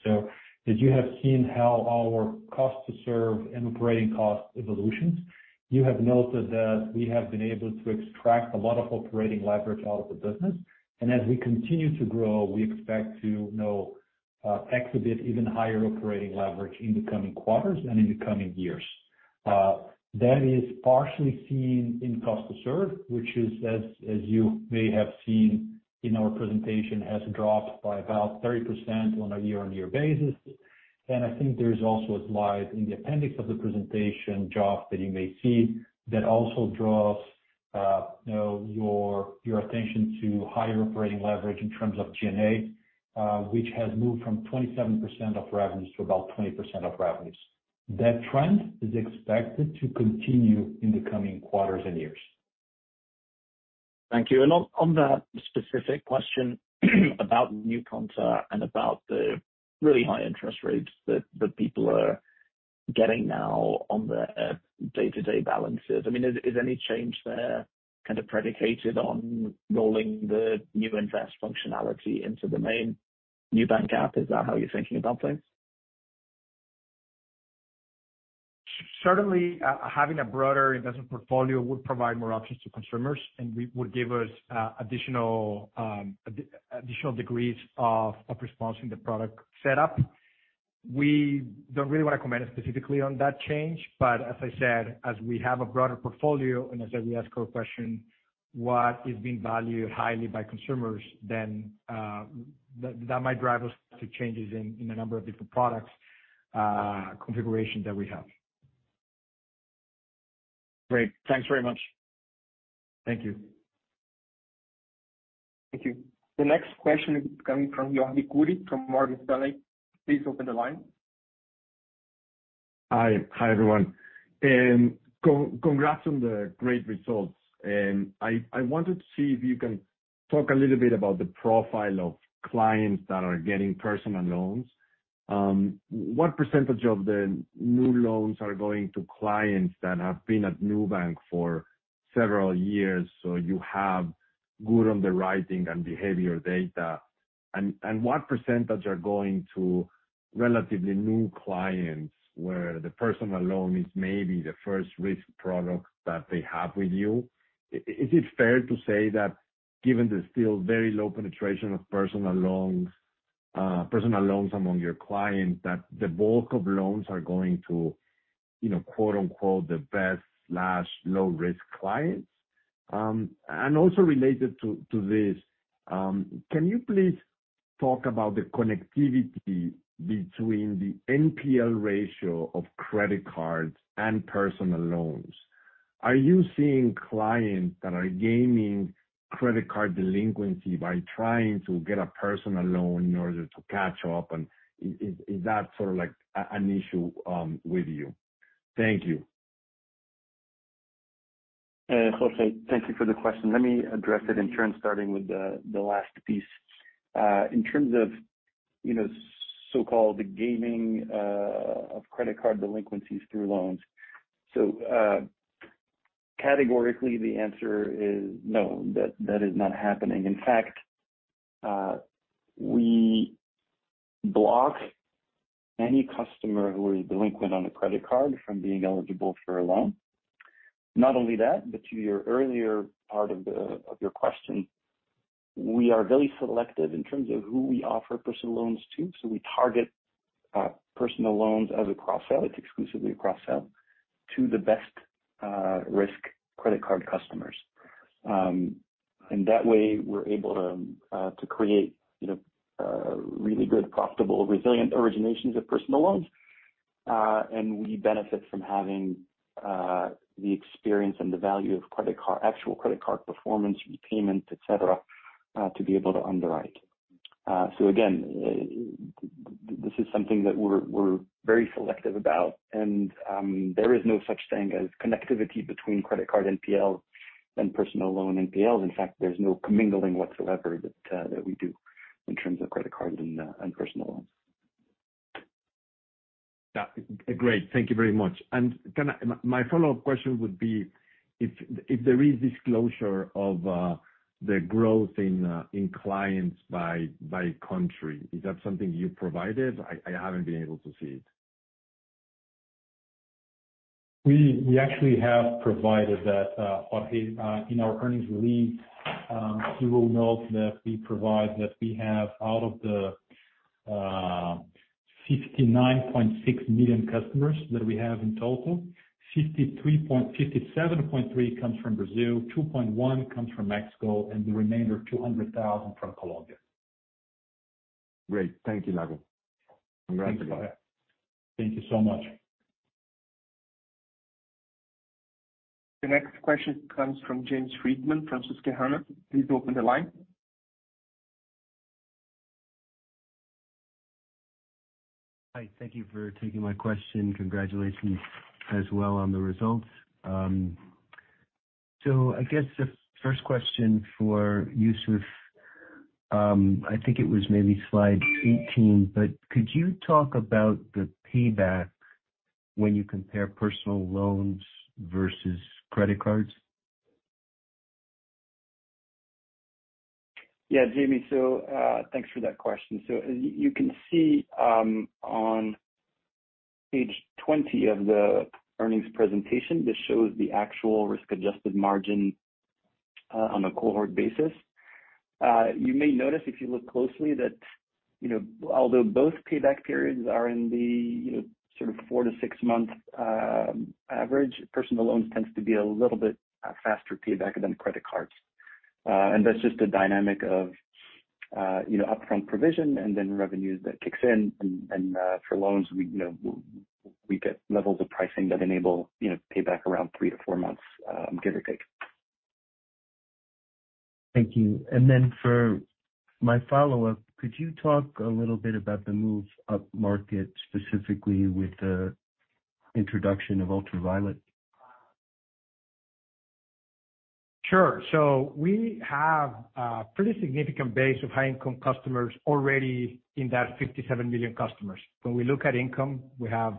As you have seen how our cost to serve and operating cost evolutions, you have noted that we have been able to extract a lot of operating leverage out of the business. As we continue to grow, we expect to, you know, exhibit even higher operating leverage in the coming quarters and in the coming years. That is partially seen in cost to serve, which, as you may have seen in our presentation, has dropped by about 30% on a year-on-year basis. I think there is also a slide in the appendix of the presentation, Geoff, that you may see that also draws you know, your attention to higher operating leverage in terms of G&A, which has moved from 27% of revenues to about 20% of revenues. That trend is expected to continue in the coming quarters and years. Thank you. On that specific question about NuConta and about the really high interest rates that people are getting now on their day-to-day balances, I mean, is any change there kind of predicated on rolling the new invest functionality into the main Nubank app? Is that how you're thinking about things? Certainly, having a broader investment portfolio would provide more options to consumers, and would give us additional degrees of response in the product setup. We don't really wanna comment specifically on that change, but as I said, as we have a broader portfolio, and as we ask our question, what is being valued highly by consumers, then that might drive us to changes in a number of different products configuration that we have. Great. Thanks very much. Thank you. Thank you. The next question is coming from Jorge Kuri from Morgan Stanley. Please open the line. Hi. Hi, everyone. Congrats on the great results. I wanted to see if you can talk a little bit about the profile of clients that are getting personal loans. What percentage of the new loans are going to clients that have been at Nubank for several years, so you have good underwriting and behavior data? And what percentage are going to relatively new clients where the personal loan is maybe the first risk product that they have with you? Is it fair to say that given the still very low penetration of personal loans among your clients, that the bulk of loans are going to, you know, quote-unquote, the best/low risk clients? And also related to this, can you please talk about the connectivity between the NPL ratio of credit cards and personal loans? Are you seeing clients that are gaining credit card delinquency by trying to get a personal loan in order to catch up? Is that sort of like an issue with you? Thank you. Jorge, thank you for the question. Let me address it in turn, starting with the last piece. In terms of, you know, so-called gaming of credit card delinquencies through loans. Categorically, the answer is no, that is not happening. In fact, we block any customer who is delinquent on a credit card from being eligible for a loan. Not only that, but to your earlier part of your question, we are very selective in terms of who we offer personal loans to. We target personal loans as a cross-sell. It's exclusively a cross-sell to the best risk credit card customers. That way, we're able to create, you know, really good, profitable, resilient originations of personal loans. We benefit from having the experience and the value of credit card actual credit card performance, repayments, et cetera, to be able to underwrite. This is something that we're very selective about. There is no such thing as connectivity between credit card NPL and personal loan NPLs. In fact, there's no commingling whatsoever that we do in terms of credit cards and personal loans. Yeah. Great. Thank you very much. My follow-up question would be if there is disclosure of the growth in clients by country, is that something you provided? I haven't been able to see it. We actually have provided that, Jorge, in our earnings release. You will note that we provide that we have out of the 59.6 million customers that we have in total, 57.3 comes from Brazil, 2.1 comes from Mexico, and the remainder, 200,000 from Colombia. Great. Thank you, David. Congratulations. Thank you so much. The next question comes from James Friedman from Susquehanna. Please open the line. Hi. Thank you for taking my question. Congratulations as well on the results. I guess the first question for Youssef, I think it was maybe slide 18, but could you talk about the payback when you compare personal loans versus credit cards? James. Thanks for that question. You can see on page 20 of the earnings presentation, this shows the actual risk-adjusted margin on a cohort basis. You may notice if you look closely that, you know, although both payback periods are in the, you know, sort of four to six month average, personal loans tends to be a little bit faster payback than credit cards. That's just a dynamic of, you know, upfront provision and then revenues that kicks in. For loans, we you know get levels of pricing that enable, you know, payback around three to four months, give or take. Thank you. For my follow-up, could you talk a little bit about the move upmarket, specifically with the introduction of Ultravioleta? Sure. We have a pretty significant base of high income customers already in that 57 million customers. When we look at income, we have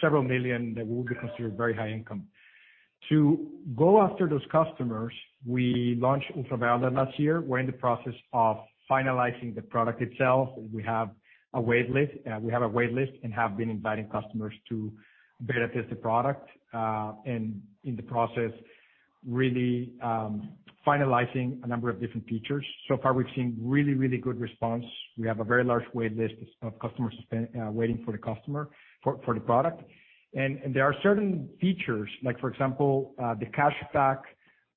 several million that would be considered very high income. To go after those customers, we launched Ultravioleta last year. We're in the process of finalizing the product itself. We have a wait list and have been inviting customers to beta test the product, and in the process, really finalizing a number of different features. So far we've seen really good response. We have a very large wait list of customers waiting for the product. There are certain features like for example, the cashback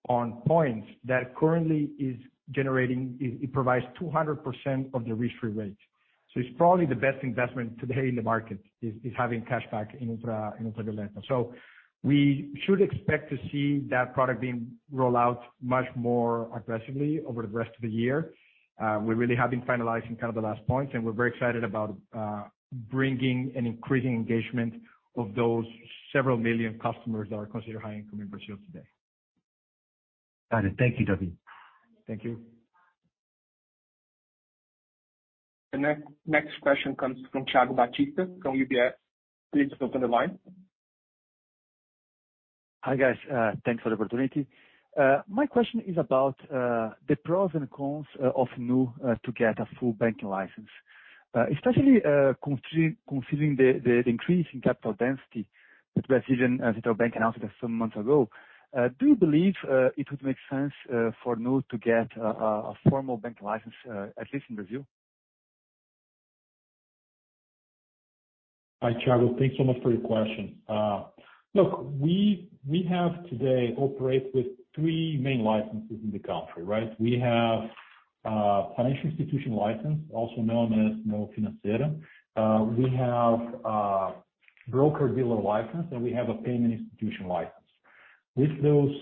on points that currently is generating it provides 200% of the risk-free rate. It's probably the best investment today in the market, is having cashback in Ultra, in Ultravioleta. We should expect to see that product being rolled out much more aggressively over the rest of the year. We really have been finalizing kind of the last points, and we're very excited about bringing and increasing engagement of those several million customers that are considered high income in Brazil today. Got it. Thank you, David. Thank you. The next question comes from Thiago Batista from UBS. Please open the line. Hi, guys. Thanks for the opportunity. My question is about the pros and cons of Nu to get a full banking license, especially considering the increase in capital density that Brazilian Central Bank announced some months ago. Do you believe it would make sense for Nu to get a formal bank license, at least in Brazil? Hi, Thiago. Thanks so much for your question. Look, we today operate with three main licenses in the country, right? We have financial institution license, also known as Nu Financeira. We have broker-dealer license, and we have a payment institution license. With those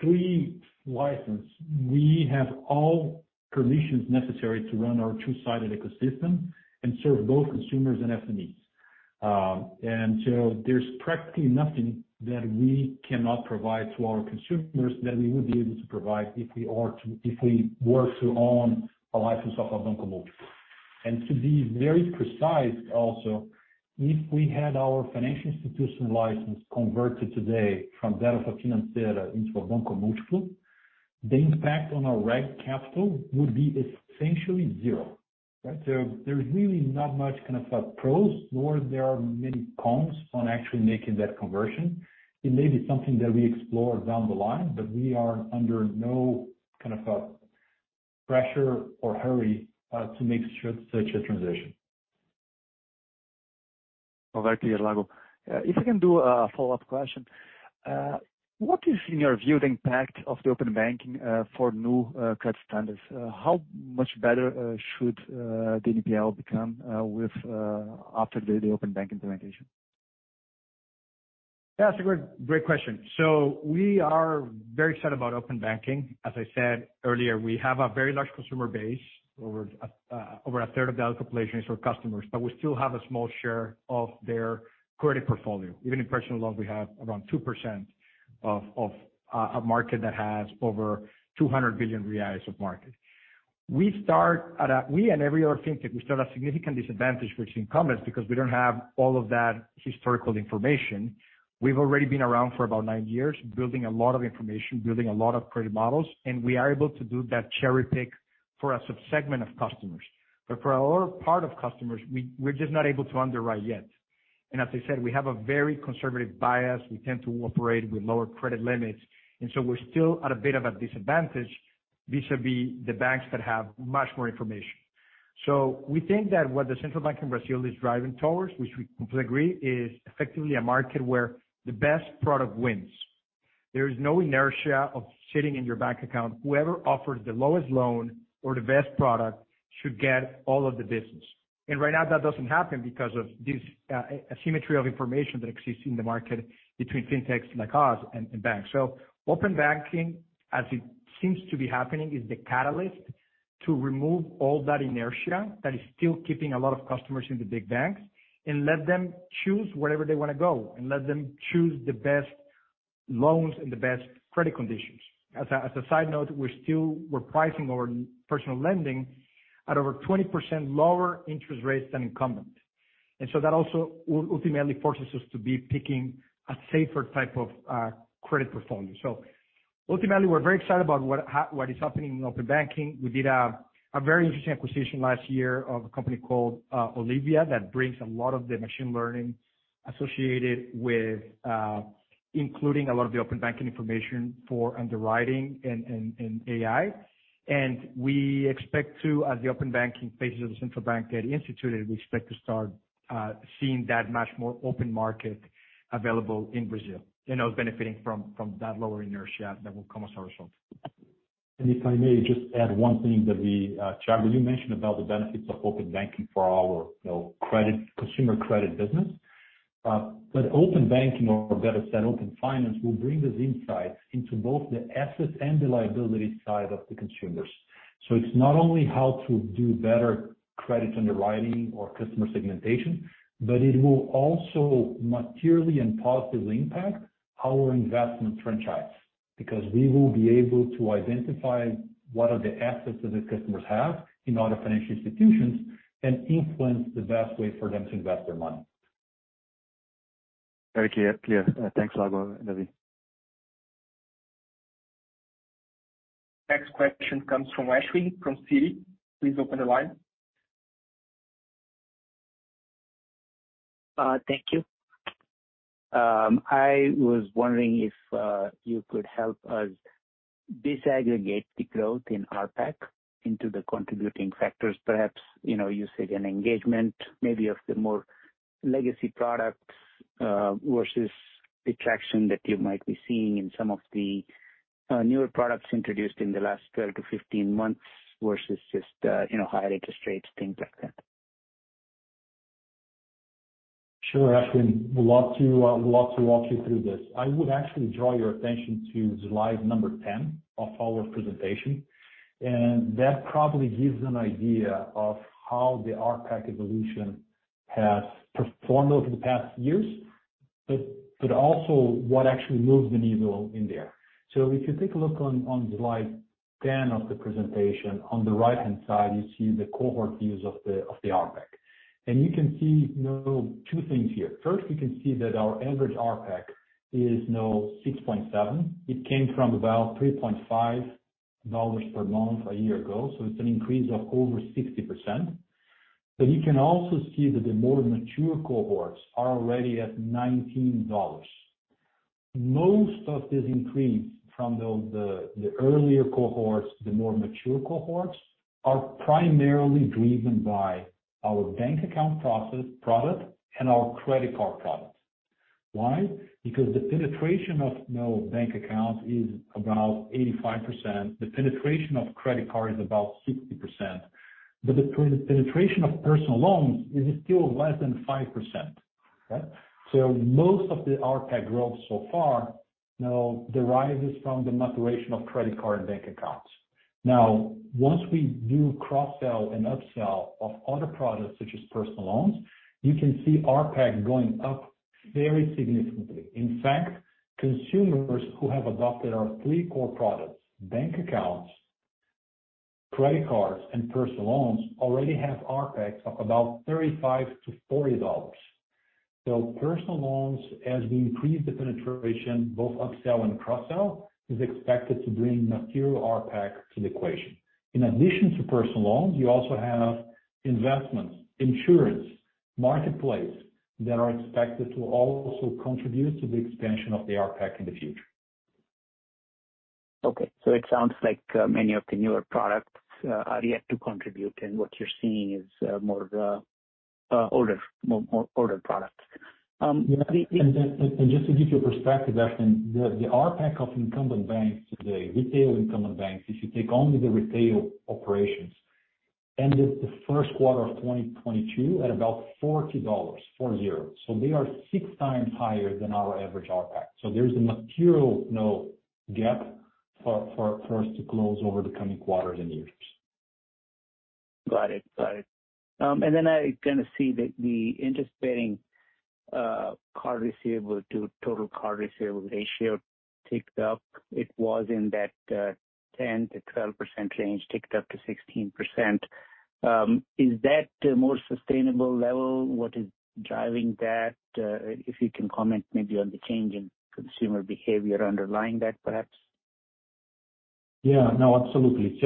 three license, we have all permissions necessary to run our two-sided ecosystem and serve both consumers and SMEs. There's practically nothing that we cannot provide to our consumers that we would be able to provide if we were to own a license of a banco múltiplo. To be very precise also, if we had our financial institution license converted today from de Financeira into a banco múltiplo, the impact on our reg capital would be essentially zero, right? there's really not much kind of, pros, nor there are many cons on actually making that conversion. It may be something that we explore down the line, but we are under no kind of, pressure or hurry, to make such a transition. Oh, very clear, Lago. If I can do a follow-up question. What is in your view the impact of the open banking for Nu credit standards? How much better should the NPL become after the open banking implementation? That's a great question. We are very excited about open banking. As I said earlier, we have a very large consumer base. Over over a third of the adult population is our customers, but we still have a small share of their credit portfolio. Even in personal loans, we have around 2% of a market that has over 200 billion reais of market. We and every other fintech start at significant disadvantage versus incumbents because we don't have all of that historical information. We've already been around for about nine years, building a lot of information, building a lot of credit models, and we are able to do that cherry-pick for a sub-segment of customers. But for our part of customers, we're just not able to underwrite yet. As I said, we have a very conservative bias. We tend to operate with lower credit limits, and so we're still at a bit of a disadvantage vis-a-vis the banks that have much more information. We think that what the Central Bank of Brazil is driving towards, which we completely agree, is effectively a market where the best product wins. There is no inertia of sitting in your bank account. Whoever offers the lowest loan or the best product should get all of the business. Right now, that doesn't happen because of this, asymmetry of information that exists in the market between FinTechs like us and the banks. Open banking, as it seems to be happening, is the catalyst to remove all that inertia that is still keeping a lot of customers in the big banks and let them choose wherever they wanna go and let them choose the best loans and the best credit conditions. As a side note, we're pricing our personal lending at over 20% lower interest rates than incumbent. That also ultimately forces us to be picking a safer type of credit portfolio. Ultimately, we're very excited about what is happening in open banking. We did a very interesting acquisition last year of a company called Olivia, that brings a lot of the machine learning associated with including a lot of the open banking information for underwriting and AI. As the open banking phases of the Central Bank get instituted, we expect to start seeing that much more open market available in Brazil, and us benefiting from that lower inertia that will come as a result. If I may just add one thing, David. Thiago, you mentioned about the benefits of open banking for our, you know, credit, consumer credit business. Open banking, or better said open finance, will bring this insight into both the assets and the liability side of the consumers. It's not only how to do better credit underwriting or customer segmentation, but it will also materially and positively impact our investment franchise, because we will be able to identify what are the assets that the customers have in other financial institutions and influence the best way for them to invest their money. Very clear. Thanks a lot, David Vélez. Next question comes from Ashwin from Citi. Please open the line. Thank you. I was wondering if you could help us disaggregate the growth in RPAC into the contributing factors, perhaps, you know, usage and engagement maybe of the more legacy products versus the traction that you might be seeing in some of the newer products introduced in the last 12 months-15 months versus just, you know, higher interest rates, things like that? Sure, Ashwin. Would love to walk you through this. I would actually draw your attention to slide 10 of our presentation, and that probably gives an idea of how the RPAC evolution has performed over the past years, but also what actually moves the needle in there. If you take a look on slide 10 of the presentation, on the right-hand side, you see the cohort views of the RPAC. You can see, you know, two things here. First, you can see that our average RPAC is now 6.7. It came from about $3.5 per month a year ago, so it's an increase of over 60%. You can also see that the more mature cohorts are already at $19. Most of this increase from the earlier cohorts, the more mature cohorts, are primarily driven by our bank account product and our credit card product. Why? Because the penetration of Nu bank account is about 85%. The penetration of credit card is about 60%. But the penetration of personal loans is still less than 5%. Okay? Most of the RPAC growth so far now derives from the maturation of credit card bank accounts. Once we do cross-sell and up-sell of other products such as personal loans, you can see RPAC going up very significantly. In fact, consumers who have adopted our three core products, bank accounts, credit cards, and personal loans already have RPACs of about $35-$40. Personal loans, as we increase the penetration, both up-sell and cross-sell, is expected to bring material RPAC to the equation. In addition to personal loans, you also have investments, insurance, marketplace, that are expected to also contribute to the expansion of the RPAC in the future. It sounds like many of the newer products are yet to contribute, and what you're seeing is more of the older products. Just to give you a perspective, Ashwin, the RPAC of incumbent banks today, retail incumbent banks, if you take only the retail operations, ended the first quarter of 2022 at about $40. They are six times higher than our average RPAC. There is a material, you know, gap for us to close over the coming quarters and years. Got it. I kind of see that the interest-bearing card receivable to total card receivable ratio ticked up. It was in that 10%-12% range, ticked up to 16%. Is that a more sustainable level? What is driving that? If you can comment maybe on the change in consumer behavior underlying that, perhaps. Yeah, no, absolutely.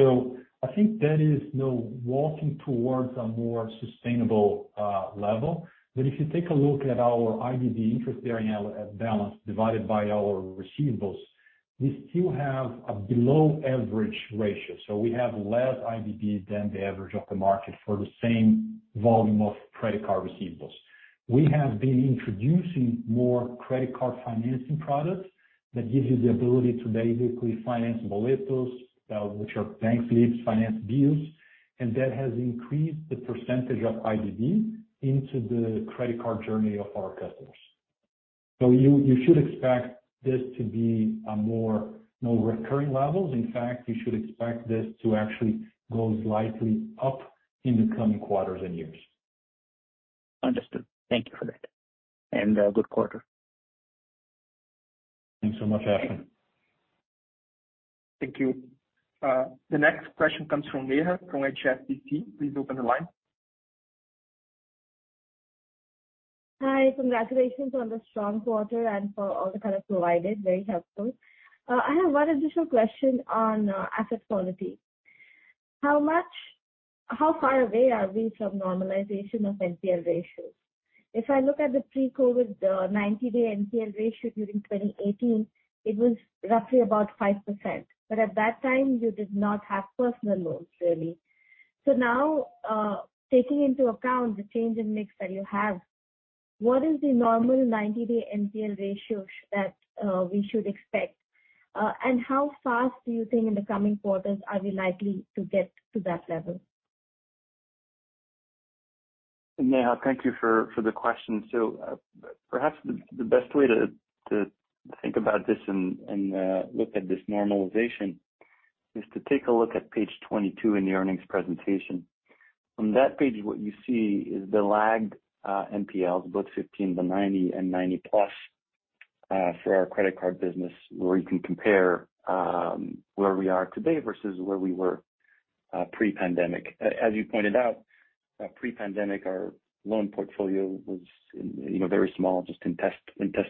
I think that is now walking towards a more sustainable level. If you take a look at our IDB interest bearing balance divided by our receivables, we still have a below average ratio. We have less IDBs than the average of the market for the same volume of credit card receivables. We have been introducing more credit card financing products that gives you the ability to basically finance Boletos, which are bank slips, finance bills, and that has increased the percentage of IDB into the credit card journey of our customers. You should expect this to be more recurring levels. In fact, you should expect this to actually go slightly up in the coming quarters and years. Understood. Thank you for that. Good quarter. Thanks so much, Ashwin. Thank you. The next question comes from Neha from HSBC. Please open the line. Hi. Congratulations on the strong quarter and for all the color provided. Very helpful. I have one additional question on asset quality. How far away are we from normalization of NPL ratios? If I look at the pre-COVID 90-day NPL ratio during 2018, it was roughly about 5%. At that time, you did not have personal loans, really. Now, taking into account the change in mix that you have, what is the normal 90-day NPL ratio we should expect? And how fast do you think in the coming quarters are we likely to get to that level? Neha, thank you for the question. Perhaps the best way to think about this and look at this normalization is to take a look at page 22 in the earnings presentation. On that page, what you see is the lagged NPLs, both 15-90 and 90+, for our credit card business, where you can compare where we are today versus where we were pre-pandemic. As you pointed out, pre-pandemic, our loan portfolio was you know very small, just in test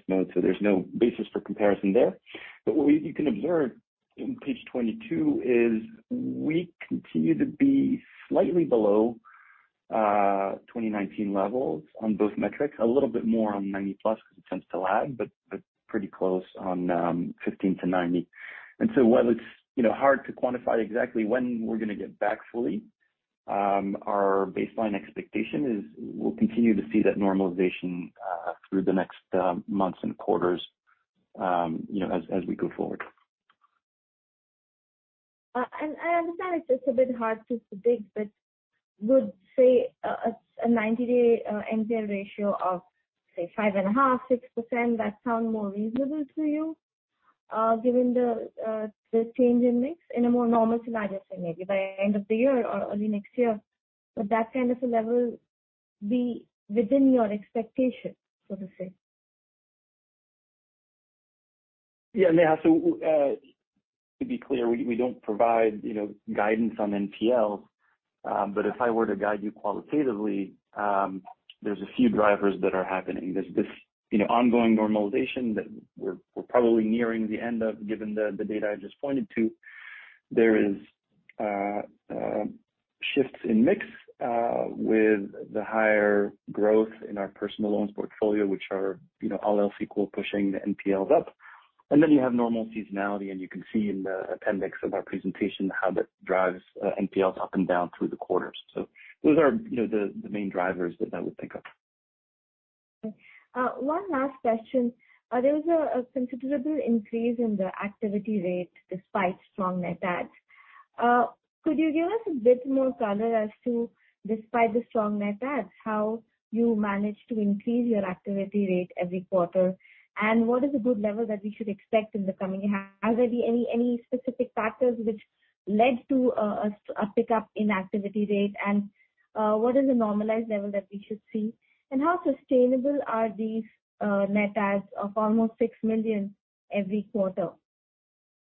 mode, so there's no basis for comparison there. What you can observe in page 22 is we continue to be slightly below 2019 levels on both metrics, a little bit more on 90+ because it tends to lag, but pretty close on 15-90. While it's, you know, hard to quantify exactly when we're gonna get back fully, our baseline expectation is we'll continue to see that normalization through the next months and quarters, you know, as we go forward. I understand it's just a bit hard to predict, but would say a 90-day NPL ratio of, say, 5.5%-6%, that sound more reasonable to you, given the change in mix in a more normal scenario, say maybe by end of the year or early next year? Would that kind of a level be within your expectations, so to say? Yeah, Neha. To be clear, we don't provide, you know, guidance on NPLs. If I were to guide you qualitatively, there's a few drivers that are happening. There's this, you know, ongoing normalization that we're probably nearing the end of given the data I just pointed to. There are shifts in mix with the higher growth in our personal loans portfolio, which are, you know, all else equal, pushing the NPLs up. Then you have normal seasonality, and you can see in the appendix of our presentation how that drives NPLs up and down through the quarters. Those are, you know, the main drivers that I would think of. Okay. One last question. There was a considerable increase in the activity rate despite strong net adds. Could you give us a bit more color as to, despite the strong net adds, how you managed to increase your activity rate every quarter? And what is a good level that we should expect in the coming half? Are there any specific factors which led to a pickup in activity rate, and what is the normalized level that we should see? And how sustainable are these net adds of almost 6 million every quarter?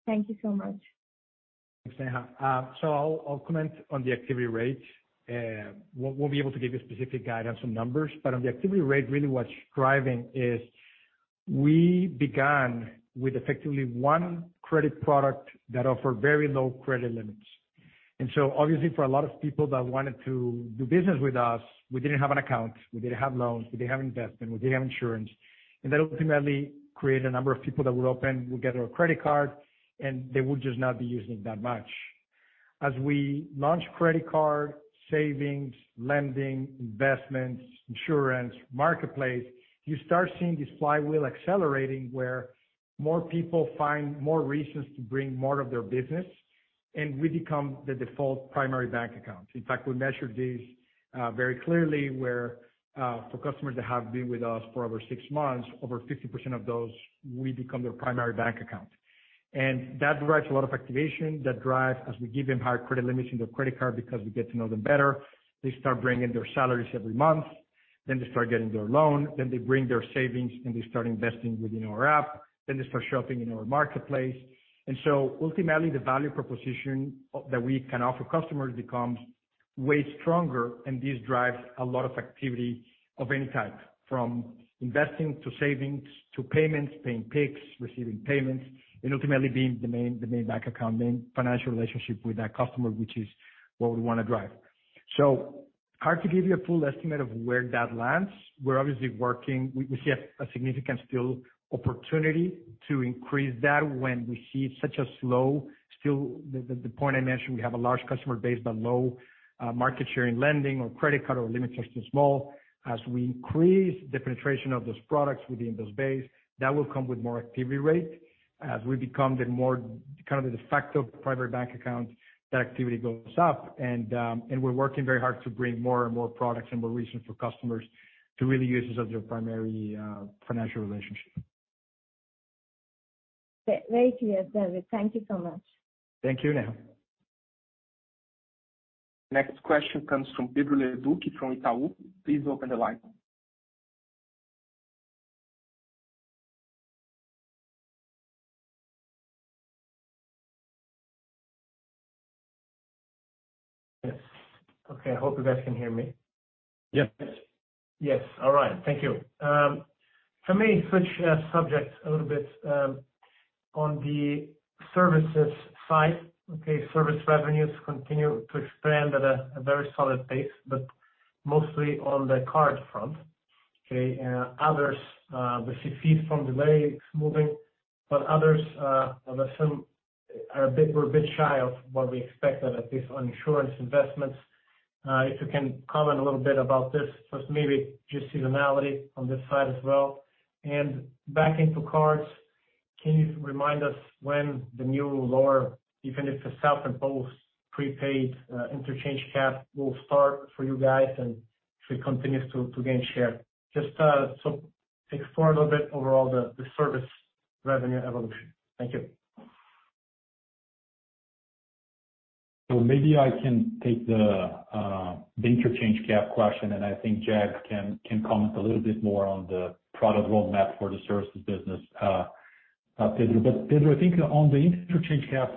Thank you so much. Thanks, Neha. I'll comment on the activity rate. We're able to give you specific guidance on numbers, but on the activity rate, really what's driving is we began with effectively one credit product that offered very low credit limits. Obviously for a lot of people that wanted to do business with us, we didn't have an account, we didn't have loans, we didn't have investment, we didn't have insurance. That ultimately created a number of people that would open, would get our credit card, and they would just not be using it that much. As we launch credit card, savings, lending, investments, insurance, marketplace, you start seeing this flywheel accelerating where more people find more reasons to bring more of their business, and we become the default primary bank account. In fact, we measured this very clearly, where for customers that have been with us for over six months, over 50% of those, we become their primary bank account. That drives a lot of activation. That drives as we give them higher credit limits in their credit card because we get to know them better. They start bringing their salaries every month. Then they start getting their loan. Then they bring their savings, and they start investing within our app. Then they start shopping in our marketplace. Ultimately, the value proposition that we can offer customers becomes way stronger, and this drives a lot of activity of any type, from investing to savings to payments, paying Pix, receiving payments, and ultimately being the main bank account, main financial relationship with that customer, which is what we wanna drive. Hard to give you a full estimate of where that lands. We're obviously working. We see a significant still opportunity to increase that when we see such a slow still. The point I mentioned, we have a large customer base, but low market share in lending or credit card or limits are still small. As we increase the penetration of those products within those base, that will come with more activity rate. As we become the more kind of the de facto primary bank account, that activity goes up. We're working very hard to bring more and more products and more reasons for customers to really use us as their primary financial relationship. Great to hear, David Vélez. Thank you so much. Thank you, Neha. Next question comes from Pedro Leduc from Itaú. Please open the line. Yes. Okay, I hope you guys can hear me. Yes. Yes. All right. Thank you. For me, switch subjects a little bit, on the services side. Okay, service revenues continue to expand at a very solid pace, but mostly on the card front. Okay, others, we see fees from delays moving, but others, I assume we're a bit shy of what we expected, at least on insurance investments. If you can comment a little bit about this. It's maybe just seasonality on this side as well. Back into cards. Can you remind us when the new lower, even if the self-imposed prepaid interchange cap will start for you guys and if it continues to gain share? Just, so explore a little bit overall the service revenue evolution. Thank you. Maybe I can take the interchange cap question, and I think Jag can comment a little bit more on the product roadmap for the services business, Pedro. Pedro, I think on the interchange cap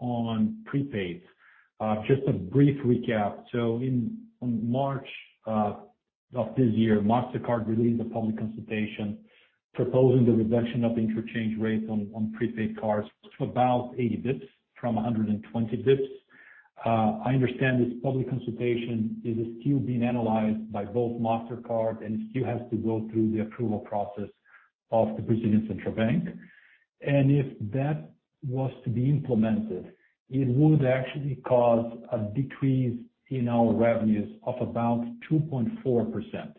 on prepaid, just a brief recap. On March of this year, Mastercard released a public consultation proposing the reduction of interchange rates on prepaid cards to about 80 basis points from 100 basis points. I understand this public consultation is still being analyzed by both Mastercard and it still has to go through the approval process of the Central Bank of Brazil. If that was to be implemented, it would actually cause a decrease in our revenues of about 2.4%.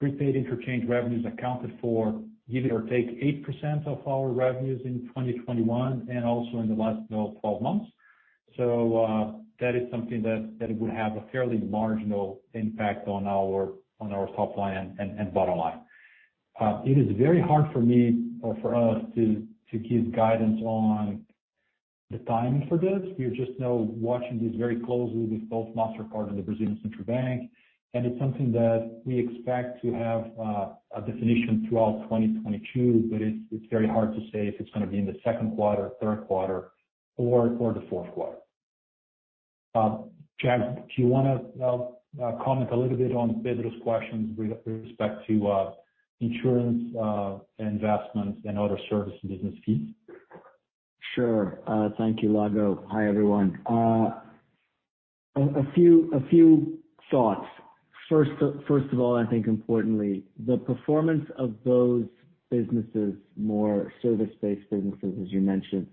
Prepaid interchange revenues accounted for, give or take 8% of our revenues in 2021 and also in the last, you know, twelve months. That is something that would have a fairly marginal impact on our top line and bottom line. It is very hard for me or for us to give guidance on the timing for this. We are just, you know, watching this very closely with both Mastercard and the Central Bank of Brazil. It's something that we expect to have a definition throughout 2022, but it's very hard to say if it's gonna be in the second quarter, third quarter or the fourth quarter. Jag, do you wanna comment a little bit on Pedro's questions with respect to insurance, investments and other service business fees? Sure. Thank you, Lago. Hi, everyone. A few thoughts. First of all, I think importantly, the performance of those businesses, more service-based businesses, as you mentioned,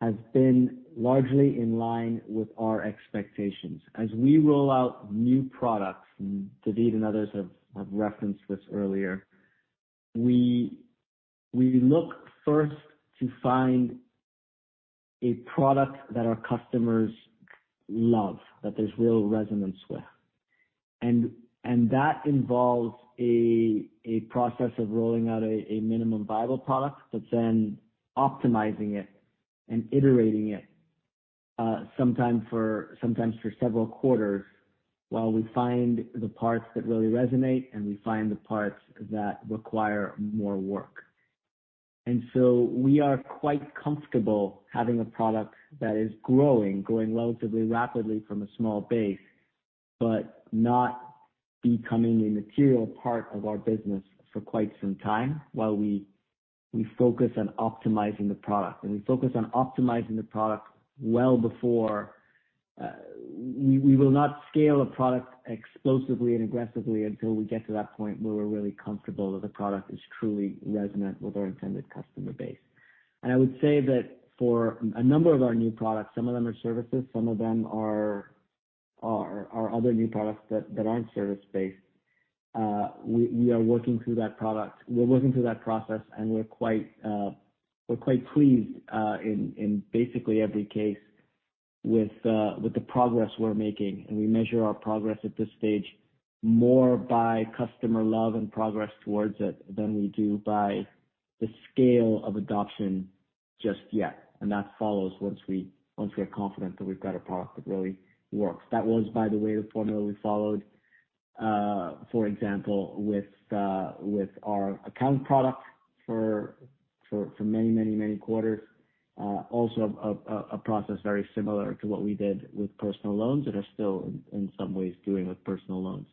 has been largely in line with our expectations. As we roll out new products, and David and others have referenced this earlier, we look first to find a product that our customers love, that there's real resonance with. That involves a process of rolling out a minimum viable product, but then optimizing it and iterating it, sometimes for several quarters while we find the parts that really resonate, and we find the parts that require more work. We are quite comfortable having a product that is growing relatively rapidly from a small base, but not becoming a material part of our business for quite some time while we focus on optimizing the product. We focus on optimizing the product well before we will not scale a product explosively and aggressively until we get to that point where we're really comfortable that the product is truly resonant with our intended customer base. I would say that for a number of our new products, some of them are services, some of them are other new products that aren't service-based. We are working through that product. We're working through that process, and we're quite pleased in basically every case with the progress we're making. We measure our progress at this stage more by customer love and progress towards it than we do by the scale of adoption just yet. That follows once we are confident that we've got a product that really works. That was, by the way, the formula we followed, for example, with our account product for many quarters. Also a process very similar to what we did with personal loans and are still in some ways doing with personal loans.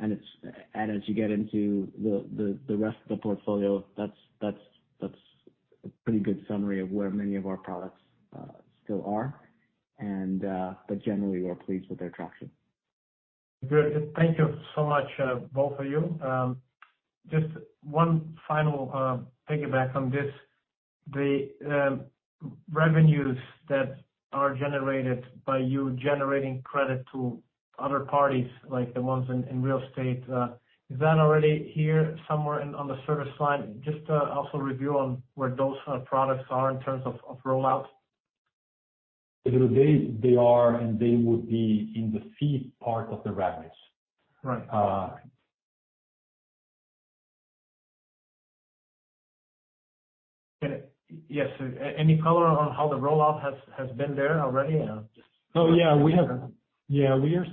As you get into the rest of the portfolio, that's a pretty good summary of where many of our products still are. Generally we are pleased with their traction. Great. Thank you so much, both of you. Just one final piggyback on this. The revenues that are generated by you generating credit to other parties, like the ones in real estate, is that already here somewhere on the service side? Just also review on where those products are in terms of rollout. Pedro, they are, and they would be in the fee part of the revenues. Right. Yes, any color on how the rollout has been there already? We are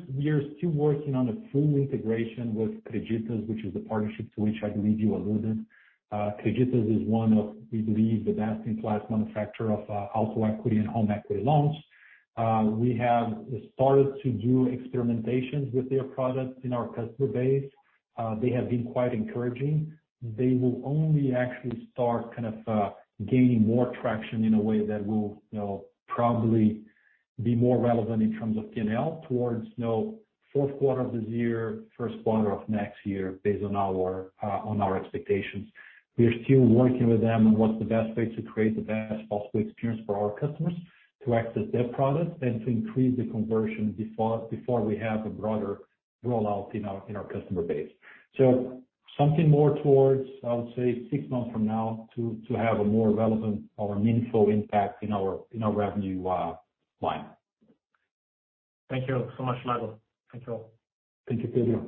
still working on a full integration with Creditas, which is the partnership to which I believe you alluded. Creditas is one of, we believe, the best-in-class manufacturer of auto equity and home equity loans. We have started to do experimentations with their products in our customer base. They have been quite encouraging. They will only actually start gaining more traction in a way that will, you know, probably be more relevant in terms of PNL towards fourth quarter of this year, first quarter of next year based on our expectations. We are still working with them on what's the best way to create the best possible experience for our customers to access their products and to increase the conversion before we have a broader rollout in our customer base. Something more towards, I would say, six months from now to have a more relevant or meaningful impact in our revenue line. Thank you so much, Lago. Thank you all. Thank you, Pedro.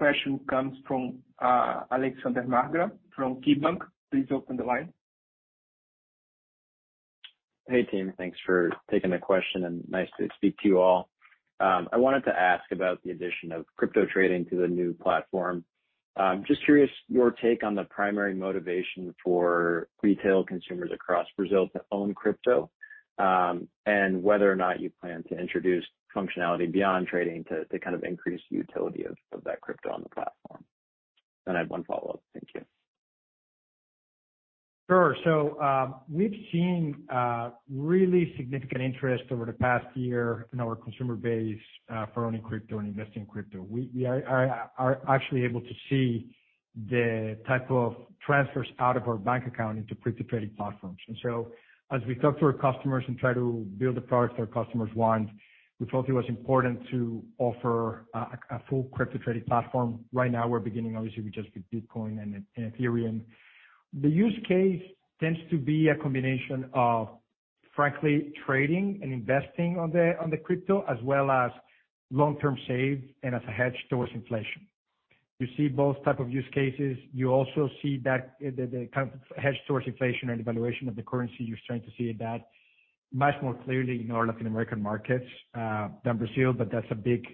Next question comes from, Alex Markgraff from KeyBanc. Please open the line. Hey, team. Thanks for taking my question and nice to speak to you all. I wanted to ask about the addition of crypto trading to the Nu platform. Just curious your take on the primary motivation for retail consumers across Brazil to own crypto, and whether or not you plan to introduce functionality beyond trading to kind of increase the utility of that crypto on the platform. I have one follow-up. Thank you. Sure. We've seen really significant interest over the past year in our consumer base for owning crypto and investing in crypto. We are actually able to see the type of transfers out of our bank account into crypto trading platforms. We talk to our customers and try to build the products that our customers want, we thought it was important to offer a full crypto trading platform. Right now we're beginning obviously with just Bitcoin and Ethereum. The use case tends to be a combination of, frankly, trading and investing on the crypto as well as long-term save and as a hedge towards inflation. You see both type of use cases. You also see that the kind of hedge towards inflation and devaluation of the currency. You're starting to see that much more clearly in our Latin American markets than Brazil, but that's a big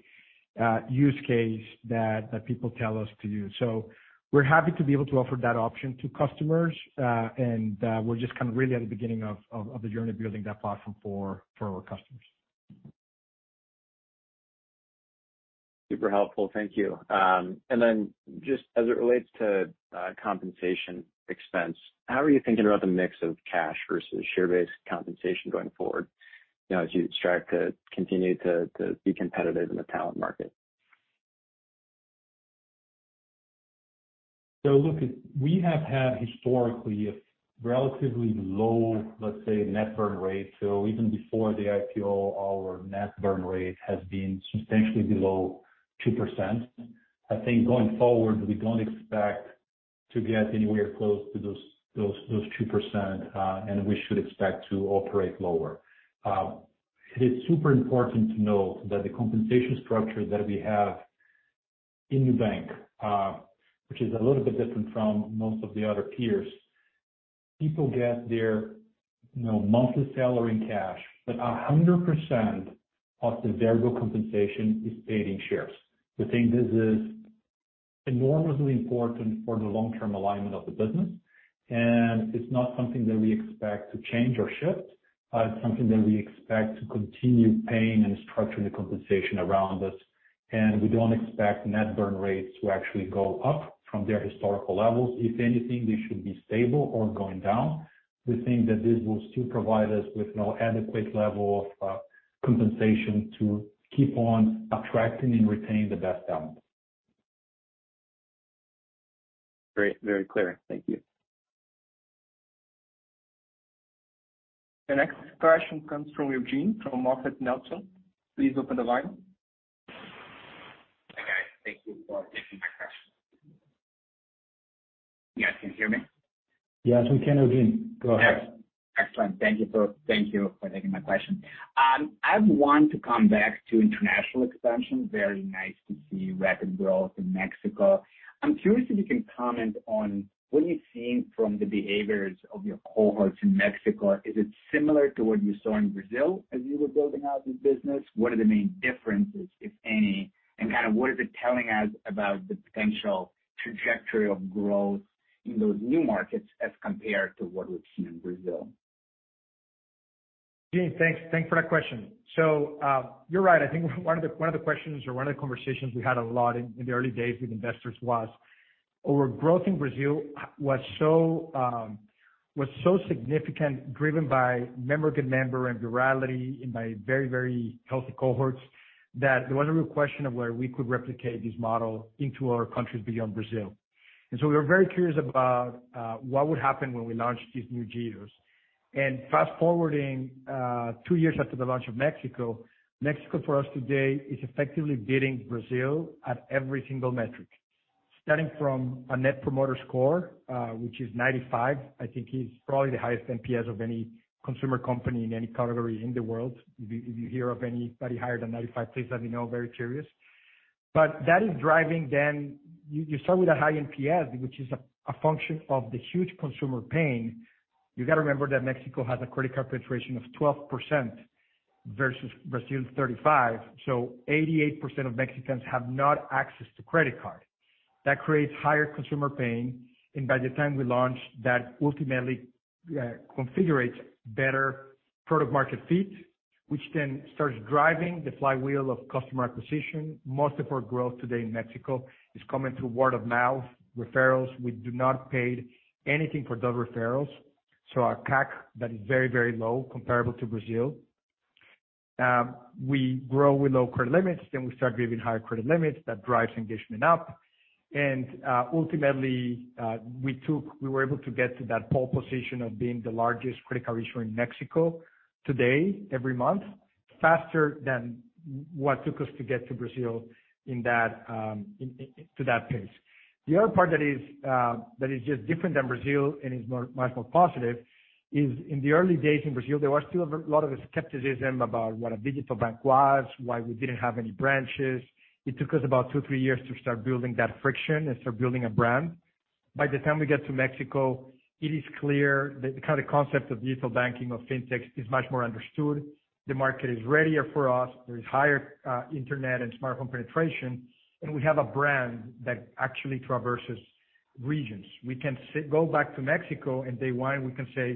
use case that people tell us to use. We're happy to be able to offer that option to customers. We're just kind of really at the beginning of the journey of building that platform for our customers. Super helpful. Thank you. Just as it relates to compensation expense, how are you thinking about the mix of cash versus share-based compensation going forward, you know, as you strive to continue to be competitive in the talent market? Look, we have had historically a relatively low, let's say, net burn rate. Even before the IPO, our net burn rate has been substantially below 2%. I think going forward, we don't expect to get anywhere close to those 2%, and we should expect to operate lower. It is super important to note that the compensation structure that we have in the bank, which is a little bit different from most of the other peers, people get their, you know, monthly salary in cash, but 100% of the variable compensation is paid in shares. We think this is enormously important for the long-term alignment of the business, and it's not something that we expect to change or shift. It's something that we expect to continue paying and structuring the compensation around it, and we don't expect net burn rates to actually go up from their historical levels. If anything, they should be stable or going down. We think that this will still provide us with an adequate level of compensation to keep on attracting and retaining the best talent. Great. Very clear. Thank you. The next question comes from Eugene from MoffettNathanson. Please open the line. Hi, guys. Thank you for taking my question. You guys can hear me? Yes, we can, Eugene. Go ahead. Excellent. Thank you for taking my question. I want to come back to international expansion. Very nice to see rapid growth in Mexico. I'm curious if you can comment on what you're seeing from the behaviors of your cohorts in Mexico. Is it similar to what you saw in Brazil as you were building out the business? What are the main differences, if any? Kind of what is it telling us about the potential trajectory of growth in those new markets as compared to what we've seen in Brazil? Eugene, thanks. Thanks for that question. You're right. I think one of the questions or one of the conversations we had a lot in the early days with investors was our growth in Brazil was so significant driven by good member and virality and by very, very healthy cohorts that there was a real question of whether we could replicate this model into other countries beyond Brazil. We were very curious about what would happen when we launched these new geos. Fast-forwarding two years after the launch of Mexico for us today is effectively beating Brazil at every single metric. Starting from a Net Promoter Score, which is 95, I think it's probably the highest NPS of any consumer company in any category in the world. If you hear of anybody higher than 95, please let me know. Very curious. That is driving then. You start with a high NPS, which is a function of the huge consumer pain. You gotta remember that Mexico has a credit card penetration of 12% versus Brazil's 35%, so 88% of Mexicans have not access to credit card. That creates higher consumer pain, and by the time we launch, that ultimately configures better product market fit, which then starts driving the flywheel of customer acquisition. Most of our growth today in Mexico is coming through word of mouth, referrals. We do not pay anything for those referrals, so our CAC then is very, very low comparable to Brazil. We grow with low credit limits, then we start giving higher credit limits. That drives engagement up. Ultimately, we were able to get to that pole position of being the largest credit card issuer in Mexico today, every month, faster than what took us to get to Brazil in that to that pace. The other part that is just different than Brazil and is much more positive is in the early days in Brazil, there was still a lot of skepticism about what a digital bank was, why we didn't have any branches. It took us about two, three years to start building that traction and start building a brand. By the time we get to Mexico, it is clear the kind of concept of digital banking, of FinTechs is much more understood. The market is readier for us. There is higher internet and smartphone penetration, and we have a brand that actually traverses regions. We can go back to Mexico and day one we can say,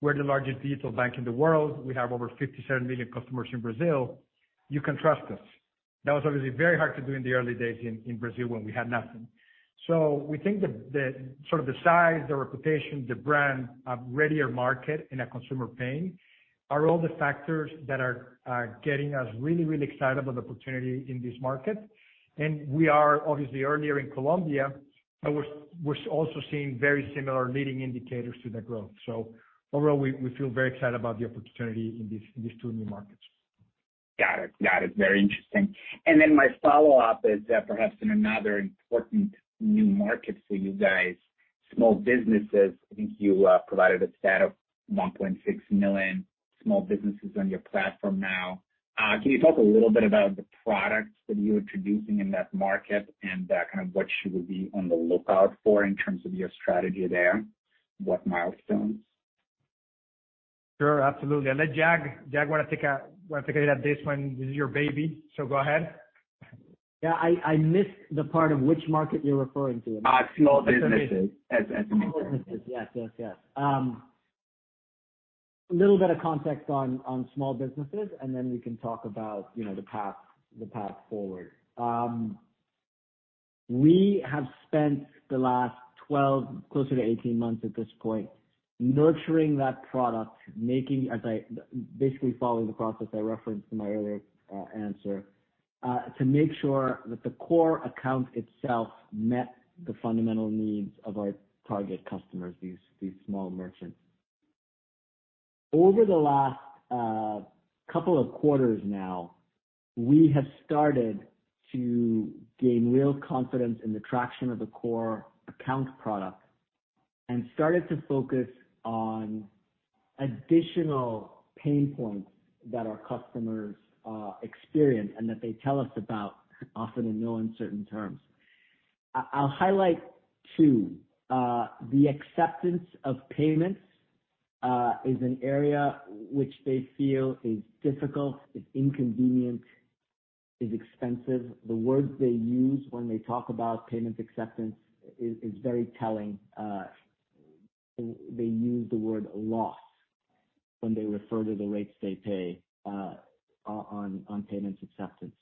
"We're the largest digital bank in the world. We have over 57 million customers in Brazil. You can trust us." That was obviously very hard to do in the early days in Brazil when we had nothing. We think the sort of the size, the reputation, the brand, a readier market and a consumer paying are all the factors that are getting us really, really excited about the opportunity in this market. We are obviously earlier in Colombia, but we're also seeing very similar leading indicators to the growth. Overall we feel very excited about the opportunity in these two new markets. Got it. Very interesting. My follow-up is, perhaps in another important new market for you guys, small businesses. I think you provided a stat of 1.6 million small businesses on your platform now. Can you talk a little bit about the products that you're introducing in that market and, kind of what should we be on the lookout for in terms of your strategy there? What milestones? Sure, absolutely. I'll let Jag wanna take a hit at this one. This is your baby, so go ahead. Yeah. I missed the part of which market you're referring to. Small businesses. Small businesses. Yes. Yes. Yes. A little bit of context on small businesses, and then we can talk about, you know, the path forward. We have spent the last 12 months, closer to 18 months at this point nurturing that product, basically following the process I referenced in my earlier answer, to make sure that the core account itself met the fundamental needs of our target customers, these small merchants. Over the last couple of quarters now, we have started to gain real confidence in the traction of the core account product and started to focus on additional pain points that our customers experience and that they tell us about often in no uncertain terms. I'll highlight two. The acceptance of payments is an area which they feel is difficult, is inconvenient, is expensive. The word they use when they talk about payments acceptance is very telling. They use the word loss when they refer to the rates they pay on payments acceptance.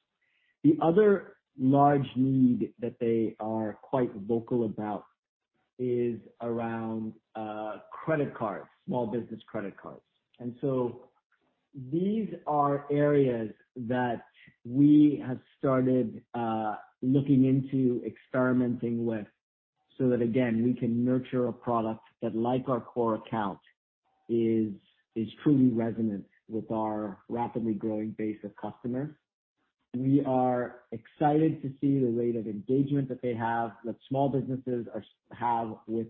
The other large need that they are quite vocal about is around credit cards, small business credit cards. These are areas that we have started looking into experimenting with so that, again, we can nurture a product that like our core account is truly resonant with our rapidly growing base of customers. We are excited to see the rate of engagement that they have, that small businesses have with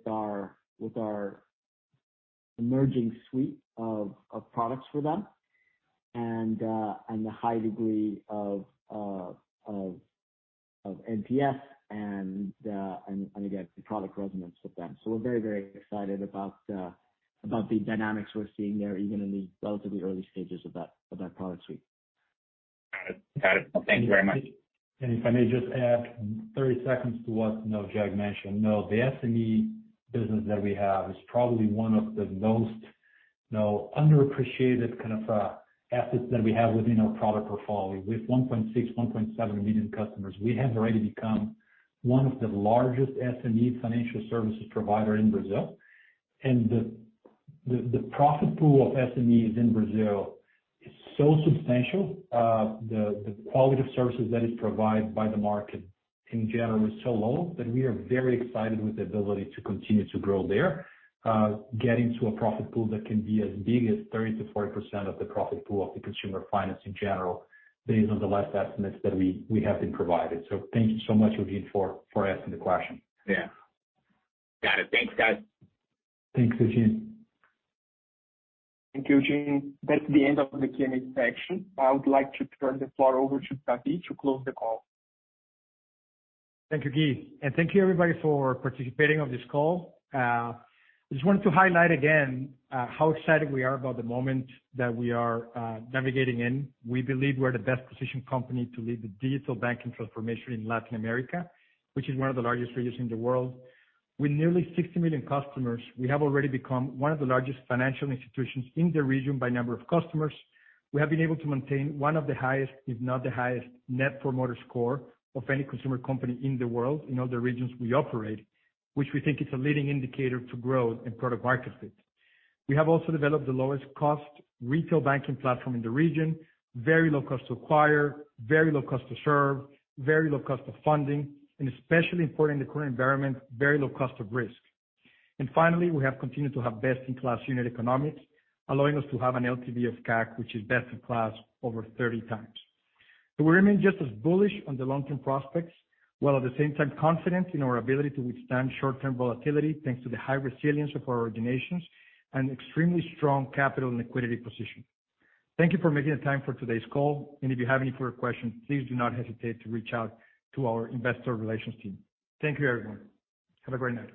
our emerging suite of products for them and again, the product resonance with them. We're very excited about the dynamics we're seeing there even in the relatively early stages of that product suite. Got it. Thank you very much. If I may just add 30 seconds to what, you know, Jag mentioned. You know, the SME business that we have is probably one of the most, you know, underappreciated kind of, assets that we have within our product portfolio. With 1.6-1.7 million customers, we have already become one of the largest SME financial services provider in Brazil. The profit pool of SMEs in Brazil is so substantial. The quality of services that is provided by the market in general is so low that we are very excited with the ability to continue to grow there, getting to a profit pool that can be as big as 30%-40% of the profit pool of the consumer finance in general based on the last estimates that we have been provided. Thank you so much, Eugene, for asking the question. Yeah. Got it. Thanks, guys. Thanks, Eugene. Thank you, Eugene. That's the end of the Q&A section. I would like to turn the floor over to David to close the call. Thank you, Gui. Thank you everybody for participating on this call. I just wanted to highlight again how excited we are about the moment that we are navigating in. We believe we're the best-positioned company to lead the digital banking transformation in Latin America, which is one of the largest regions in the world. With nearly 60 million customers, we have already become one of the largest financial institutions in the region by number of customers. We have been able to maintain one of the highest, if not the highest Net Promoter Score of any consumer company in the world in all the regions we operate, which we think is a leading indicator to growth and product market fit. We have also developed the lowest cost retail banking platform in the region, very low cost to acquire, very low cost to serve, very low cost of funding, and especially important in the current environment, very low cost of risk. Finally, we have continued to have best-in-class unit economics, allowing us to have an LTV to CAC, which is best-in-class over 30x. We remain just as bullish on the long-term prospects, while at the same time confident in our ability to withstand short-term volatility, thanks to the high resilience of our organizations and extremely strong capital and liquidity position. Thank you for making the time for today's call, and if you have any further questions, please do not hesitate to reach out to our investor relations team. Thank you everyone. Have a great night.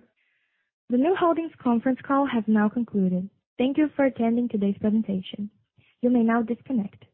The Nu Holdings conference call has now concluded. Thank you for attending today's presentation. You may now disconnect.